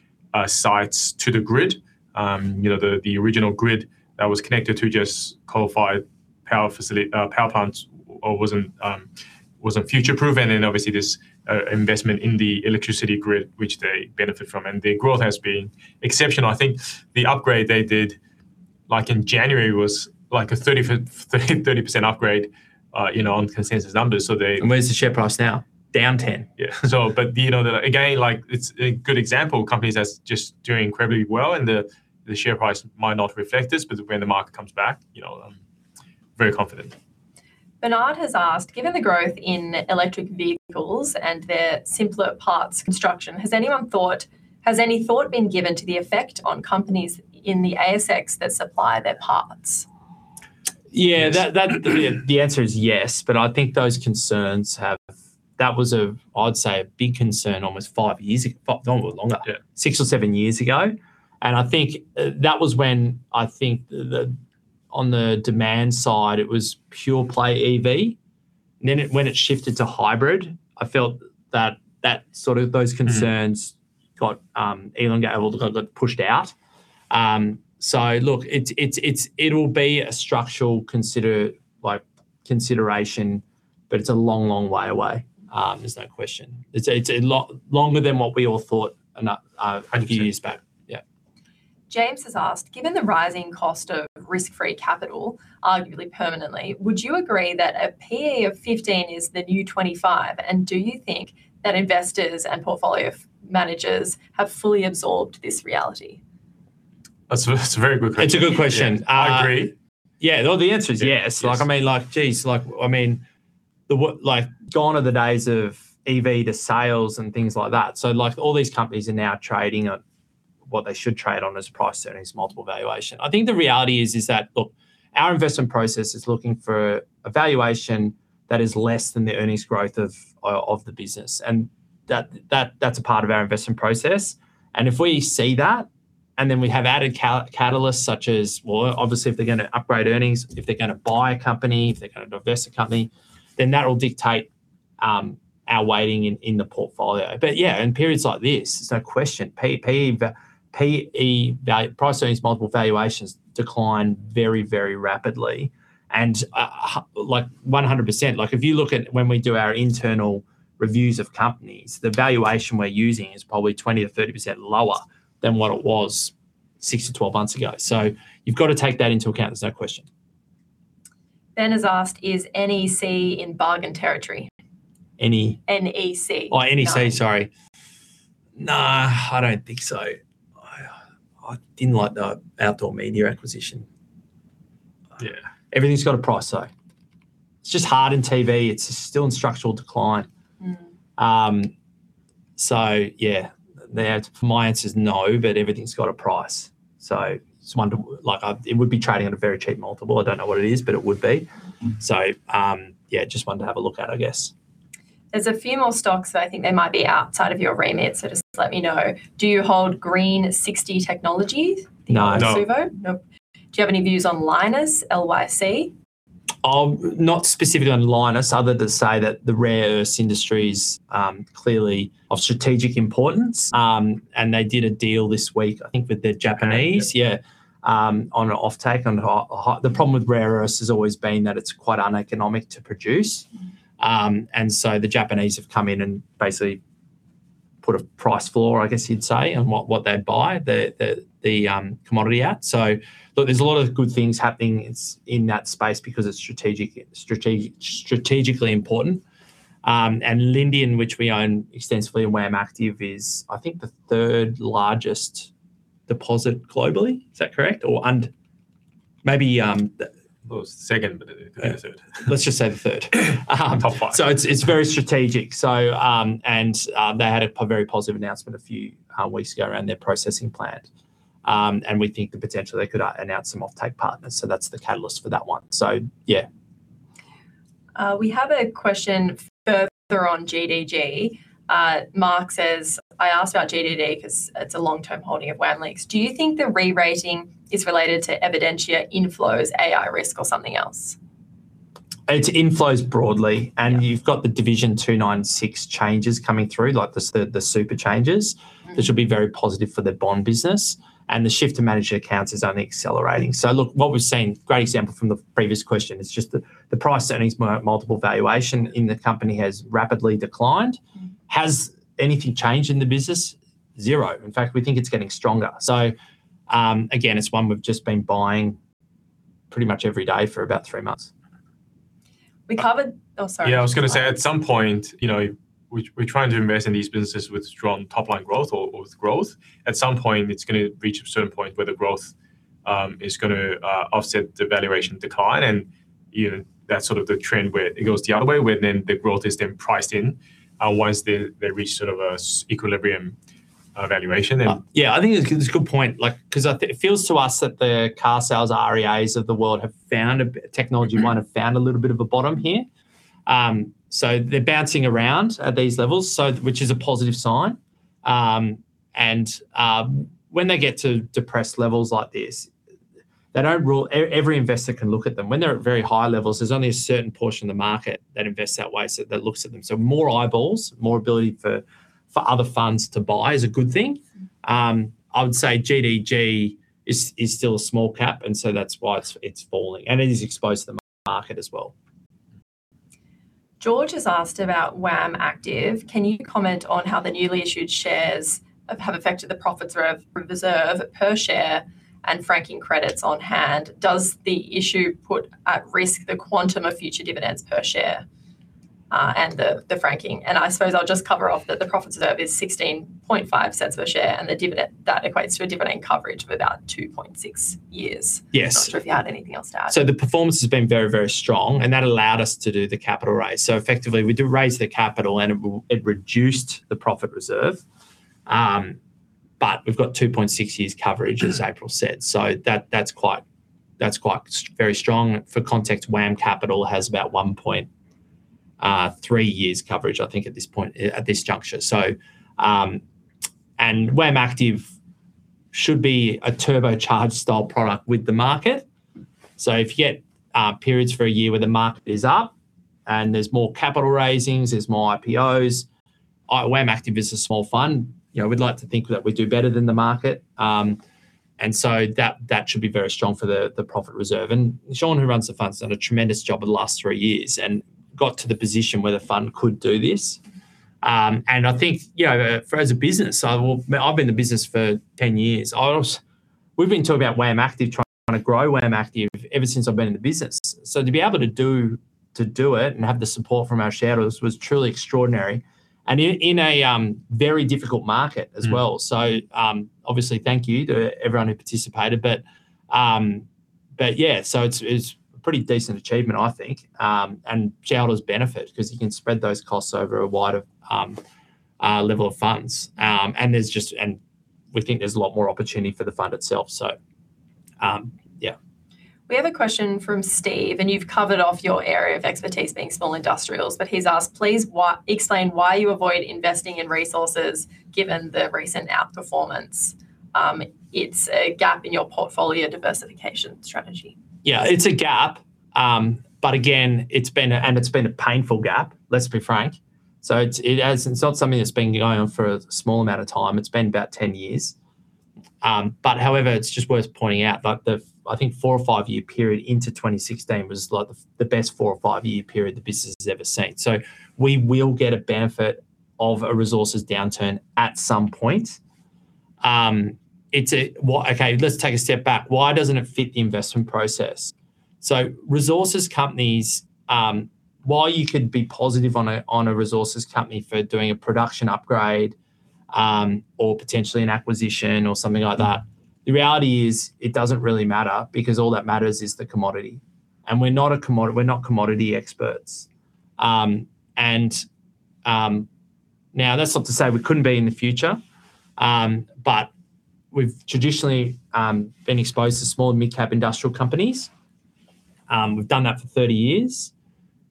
sites to the grid. You know, the original grid that was connected to just coal-fired power plants wasn't future-proven, and obviously this investment in the electricity grid, which they benefit from, and the growth has been exceptional. I think the upgrade they did, like in January, was like a 30% upgrade, you know, on consensus numbers. So they- Where's the share price now? Down 10. Yeah. You know, again, like it's a good example of companies that's just doing incredibly well, and the share price might not reflect this, but when the market comes back, you know, very confident. Bernard has asked, "Given the growth in electric vehicles and their simpler parts construction, has any thought been given to the effect on companies in the ASX that supply their parts? Yeah. That- Yes. The answer is yes, but I think those concerns have. That was, I'd say, a big concern almost five years ago, no, longer. Yeah. Six or seven years ago. I think that was when, on the demand side, it was pure play EV. When it shifted to hybrid, I felt that sort of those concerns. Mm-hmm. Even got pushed out. Look, it'll be a structural consideration, but it's a long way away. There's no question. It's longer than what we all thought. A few years back. Yeah. James has asked, "Given the rising cost of risk-free capital, arguably permanently, would you agree that a PE of 15 is the new 25? And do you think that investors and portfolio managers have fully absorbed this reality? That's a very good question. It's a good question. I agree. Yeah. No, the answer is yes. Yes. Like, I mean, like, geez. Like, I mean, like, gone are the days of EV to sales and things like that. Like, all these companies are now trading at what they should trade on as P/E multiple valuation. I think the reality is that, look, our investment process is looking for a valuation that is less than the earnings growth of the business. That's a part of our investment process. If we see that, and then we have added catalysts such as. Well, obviously, if they're gonna upgrade earnings, if they're gonna buy a company, if they're gonna divest a company, then that will dictate our weighting in the portfolio. Yeah, in periods like this, there's no question, P/E, P/E valuation, P/E multiple valuations decline very, very rapidly. Like 100%. Like, if you look at when we do our internal reviews of companies, the valuation we're using is probably 20%-30% lower than what it was 6-12 months ago. You've got to take that into account, there's no question. Ben has asked, "Is NEC in bargain territory? Any? NEC. Oh, NEC. Sorry. Nah, I don't think so. I didn't like the outdoor media acquisition. Yeah. Everything's got a price though. It's just hard in TV, it's still in structural decline. Mm. My answer is no, but everything's got a price. Like, it would be trading at a very cheap multiple. I don't know what it is, but it would be. Mm-hmm. Yeah, just one to have a look at, I guess. There's a few more stocks that I think they might be outside of your remit, so just let me know. Do you hold Green Technology Metals? No. No. Nope. Do you have any views on Lynas, LYC? Not specifically on Lynas, other than say that the rare earths industry is clearly of strategic importance. They did a deal this week, I think with the Japanese- Japanese. Yeah, on an offtake. The problem with rare earths has always been that it's quite uneconomic to produce. Mm-hmm. The Japanese have come in and basically put a price floor, I guess you'd say, on what they'd buy the commodity at. Look, there's a lot of good things happening in that space because it's strategically important. Lindian, which we own extensively and where I'm active, is I think the third largest deposit globally. Is that correct? Well, it's the second, but it is third. Let's just say the third. Top five. It's very strategic. They had a very positive announcement a few weeks ago around their processing plant. We think the potential they could announce some offtake partners, that's the catalyst for that one. Yeah. We have a question further on GDG. Mark says, "I ask about GDG 'cause it's a long-term holding of WAM LICs. Do you think the re-rating is related to Evidentia inflows, AI risk or something else? It's inflows broadly. Yeah. You've got the Division 296 changes coming through, like the super changes. Mm-hmm. That should be very positive for the bond business, and the shift to managed accounts is only accelerating. Look, what we've seen, great example from the previous question, it's just the price earnings multiple valuation in the company has rapidly declined. Mm-hmm. Has anything changed in the business? Zero. In fact, we think it's getting stronger. Again, it's one we've just been buying pretty much every day for about three months. Oh, sorry. Yeah, I was gonna say, at some point, you know, we're trying to invest in these businesses with strong top-line growth or with growth. At some point, it's gonna reach a certain point where the growth is gonna offset the valuation decline, and, you know, that's sort of the trend where it goes the other way, where then the growth is then priced in, once they reach sort of an equilibrium valuation then. Yeah, I think it's a good point. Like, 'cause. It feels to us that the Carsales, REAs of the world have found a technology- Mm-hmm. They might have found a little bit of a bottom here. They're bouncing around at these levels, which is a positive sign. When they get to depressed levels like this, every investor can look at them. When they're at very high levels, there's only a certain portion of the market that invests that way, that looks at them. More eyeballs, more ability for other funds to buy is a good thing. I would say GDG is still a small cap, and so that's why it's falling. It is exposed to the market as well. George has asked about WAM Active: "Can you comment on how the newly issued shares have affected the profits reserve per share and franking credits on hand? Does the issue put at risk the quantum of future dividends per share, and the franking?" I suppose I'll just cover off that the profit reserve is 0.165 per share, and the dividend, that equates to a dividend coverage of about 2.6 years. Yes. Not sure if you had anything else to add. The performance has been very, very strong, and that allowed us to do the capital raise. Effectively, we did raise the capital and it reduced the profit reserve. But we've got 2.6 years coverage, as April said. That's quite very strong. For context, WAM Capital has about 1.3 years coverage, I think at this point, at this juncture. WAM Active should be a turbocharged style product with the market. If you get periods for a year where the market is up, and there's more capital raisings, there's more IPOs, WAM Active is a small fund. You know, we'd like to think that we do better than the market. And so that should be very strong for the profit reserve. Shaun, who runs the fund, has done a tremendous job over the last three years and got to the position where the fund could do this. I think, you know, for as a business, I've been in the business for 10 years. We've been talking about WAM Active, trying to grow WAM Active ever since I've been in the business. To be able to do it, and have the support from our shareholders was truly extraordinary, and in a very difficult market as well. Mm. Obviously thank you to everyone who participated, but yeah. It's a pretty decent achievement, I think. Shareholders benefit 'cause you can spread those costs over a wider level of funds. We think there's a lot more opportunity for the fund itself, yeah. We have a question from Steve, and you've covered off your area of expertise being small industrials. He's asked, "Please explain why you avoid investing in resources given the recent outperformance. It's a gap in your portfolio diversification strategy. Yeah. It's a gap, but again, it's been a painful gap, let's be frank. It's not something that's been going on for a small amount of time. It's been about 10 years. But however, it's just worth pointing out, like, the, I think, four or five-year period into 2016 was like the best four or five-year period the business has ever seen. We will get a benefit of a resources downturn at some point. Well, okay, let's take a step back. Why doesn't it fit the investment process? Resources companies, while you could be positive on a resources company for doing a production upgrade or potentially an acquisition or something like that, the reality is it doesn't really matter because all that matters is the commodity, and we're not commodity experts. That's not to say we couldn't be in the future, but we've traditionally been exposed to small and mid-cap industrial companies. We've done that for 30 years.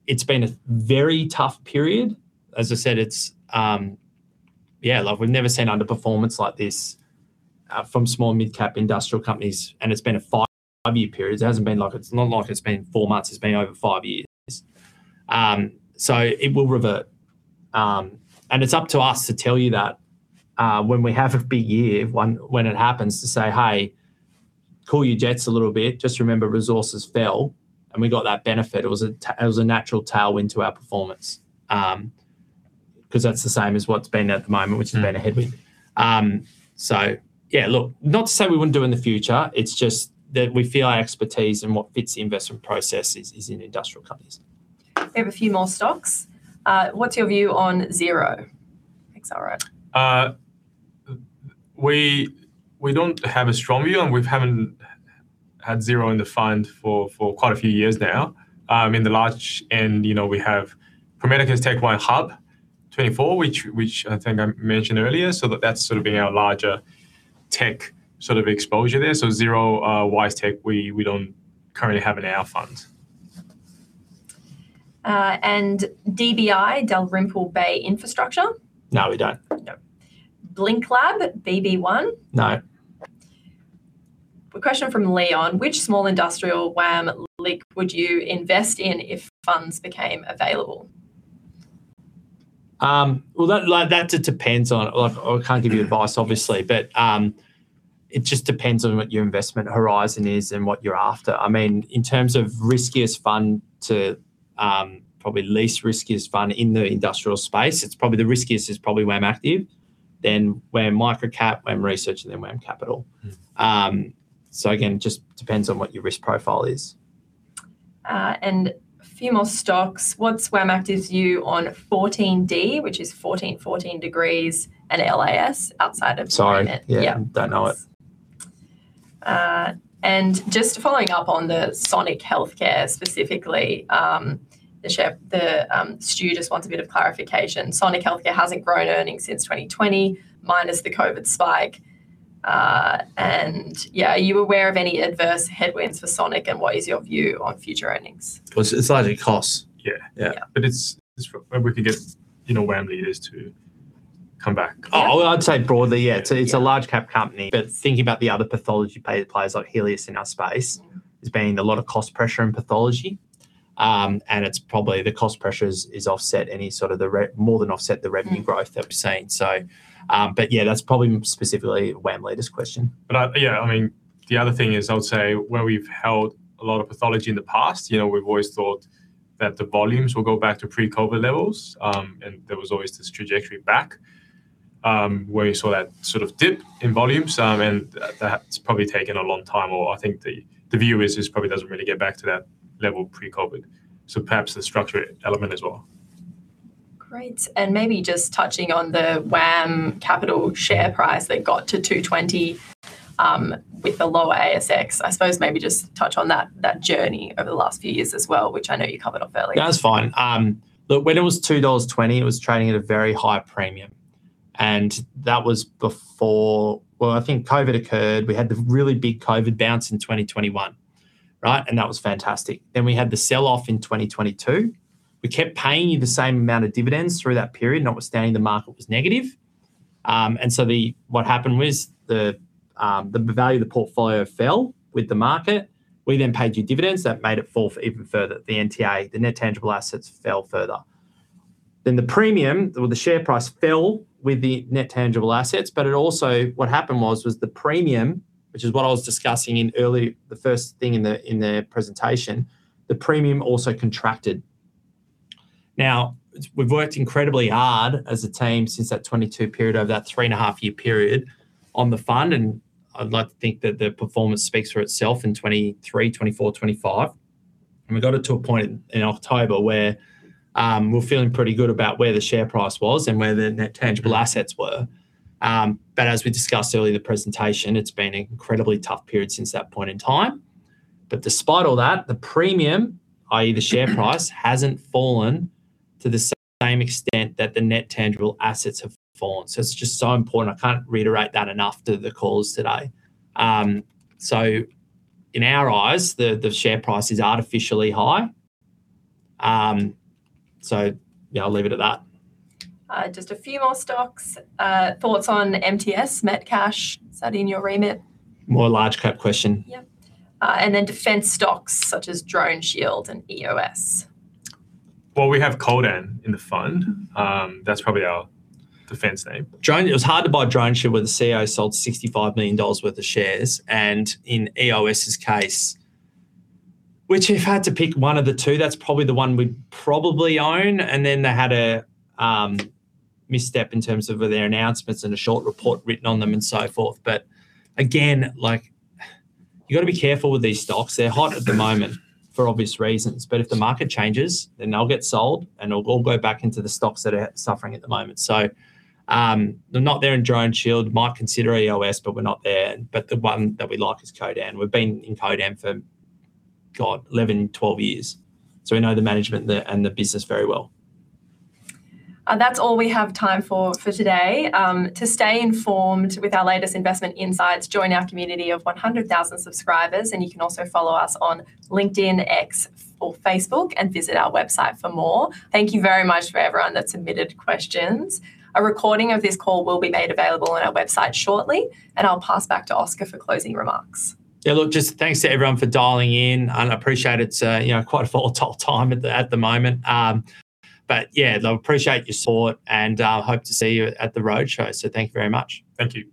It's been a very tough period. As I said, it's like we've never seen underperformance like this from small and mid-cap industrial companies, and it's been a five-year period. It hasn't been like it's been four months. It's been over five years. It will revert. It's up to us to tell you that, when we have a big year, when it happens, to say, "Hey, cool your jets a little bit. Just remember resources fell, and we got that benefit." It was a natural tailwind to our performance, 'cause that's the same as what's been at the moment. Mm.... which has been a headwind. Yeah. Look, not to say we wouldn't do in the future. It's just that we feel our expertise and what fits the investment process is in industrial companies. We have a few more stocks. What's your view on Xero, XRO? We don't have a strong view, and we haven't had Xero in the fund for quite a few years now. I mean, you know, we have Pro Medicus, TechnologyOne, HUB24, which I think I mentioned earlier. That's sort of been our larger tech sort of exposure there. Xero, WiseTech, we don't currently have in our funds. DBI, Dalrymple Bay Infrastructure? No, we don't. No. Blinklab, BB1? No. A question from Leon: Which small industrial WAM LIC would you invest in if funds became available? Like, I can't give you advice obviously, but it just depends on what your investment horizon is and what you're after. I mean, in terms of riskiest fund to probably least riskiest fund in the industrial space, it's probably the riskiest, WAM Active, then WAM Microcap, WAM Research, and then WAM Capital. Mm. Again, just depends on what your risk profile is. A few more stocks. What's WAM Active's view on 14D, which is 1414 Degrees at LAS outside of- Sorry. Yeah. Yeah. Don't know it. Just following up on the Sonic Healthcare specifically, Stu just wants a bit of clarification. Sonic Healthcare hasn't grown earnings since 2020 minus the COVID spike. Are you aware of any adverse headwinds for Sonic, and what is your view on future earnings? Well, it's largely costs. Yeah. Yeah. Well, if we could get, you know, WAM Leaders to come back. Oh, I'd say broadly, yeah. It's a large cap company. Thinking about the other pathology players like Healius in our space- There's been a lot of cost pressure in pathology, and it's probably the cost pressures more than offset the revenue growth. Mm-hmm. that we've seen. Yeah, that's probably specifically WAM Leaders' question. Yeah, I mean, the other thing is I would say where we've held a lot of pathology in the past, you know, we've always thought that the volumes will go back to pre-COVID levels, and there was always this trajectory back, where you saw that sort of dip in volumes. And that's probably taken a long time or I think the view is just probably doesn't really get back to that level pre-COVID. Perhaps the structure element as well. Great. Maybe just touching on the WAM Capital share price that got to 2.20 with the lower ASX. I suppose maybe just touch on that journey over the last few years as well, which I know you covered off earlier. That's fine. Look, when it was 2.20 dollars, it was trading at a very high premium, and that was before. Well, I think COVID occurred. We had the really big COVID bounce in 2021, right? That was fantastic. We had the sell-off in 2022. We kept paying you the same amount of dividends through that period, notwithstanding the market was negative. What happened was the value of the portfolio fell with the market. We then paid you dividends. That made it fall even further. The NTA, the net tangible assets, fell further. The premium or the share price fell with the net tangible assets, but it also, what happened was the premium, which is what I was discussing earlier, the first thing in the presentation, the premium also contracted. Now, we've worked incredibly hard as a team since that 2022 period, over that 3.5-year period on the fund, and I'd like to think that the performance speaks for itself in 2023, 2024, 2025. We got it to a point in October where we're feeling pretty good about where the share price was and where the net tangible assets were. As we discussed earlier in the presentation, it's been an incredibly tough period since that point in time. Despite all that, the premium, i.e. the share price, hasn't fallen to the same extent that the net tangible assets have fallen. It's just so important, I can't reiterate that enough to the calls today. In our eyes, the share price is artificially high. Yeah, I'll leave it at that. Just a few more stocks. Thoughts on MTS, Metcash, is that in your remit? More large-cap question. Yep. Defense stocks such as DroneShield and EOS. Well, we have Codan in the fund. That's probably our defense name. DroneShield, it was hard to buy DroneShield when the CEO sold 65 million dollars worth of shares and in EOS's case, which if I had to pick one of the two, that's probably the one we'd probably own. They had a misstep in terms of their announcements and a short report written on them and so forth. Again, like, you gotta be careful with these stocks. They're hot at the moment for obvious reasons, but if the market changes, then they'll get sold, and it'll all go back into the stocks that are suffering at the moment. They're not there in DroneShield, might consider EOS, but we're not there. The one that we like is Codan. We've been in Codan for, God, 11, 12 years, so we know the management the, and the business very well. That's all we have time for today. To stay informed with our latest investment insights, join our community of 100,000 subscribers, and you can also follow us on LinkedIn, X or Facebook and visit our website for more. Thank you very much for everyone that submitted questions. A recording of this call will be made available on our website shortly, and I'll pass back to Oscar for closing remarks. Yeah, look, just thanks to everyone for dialing in and I appreciate it's you know quite a volatile time at the moment. Yeah, look, appreciate your support and hope to see you at the roadshow. Thank you very much. Thank you.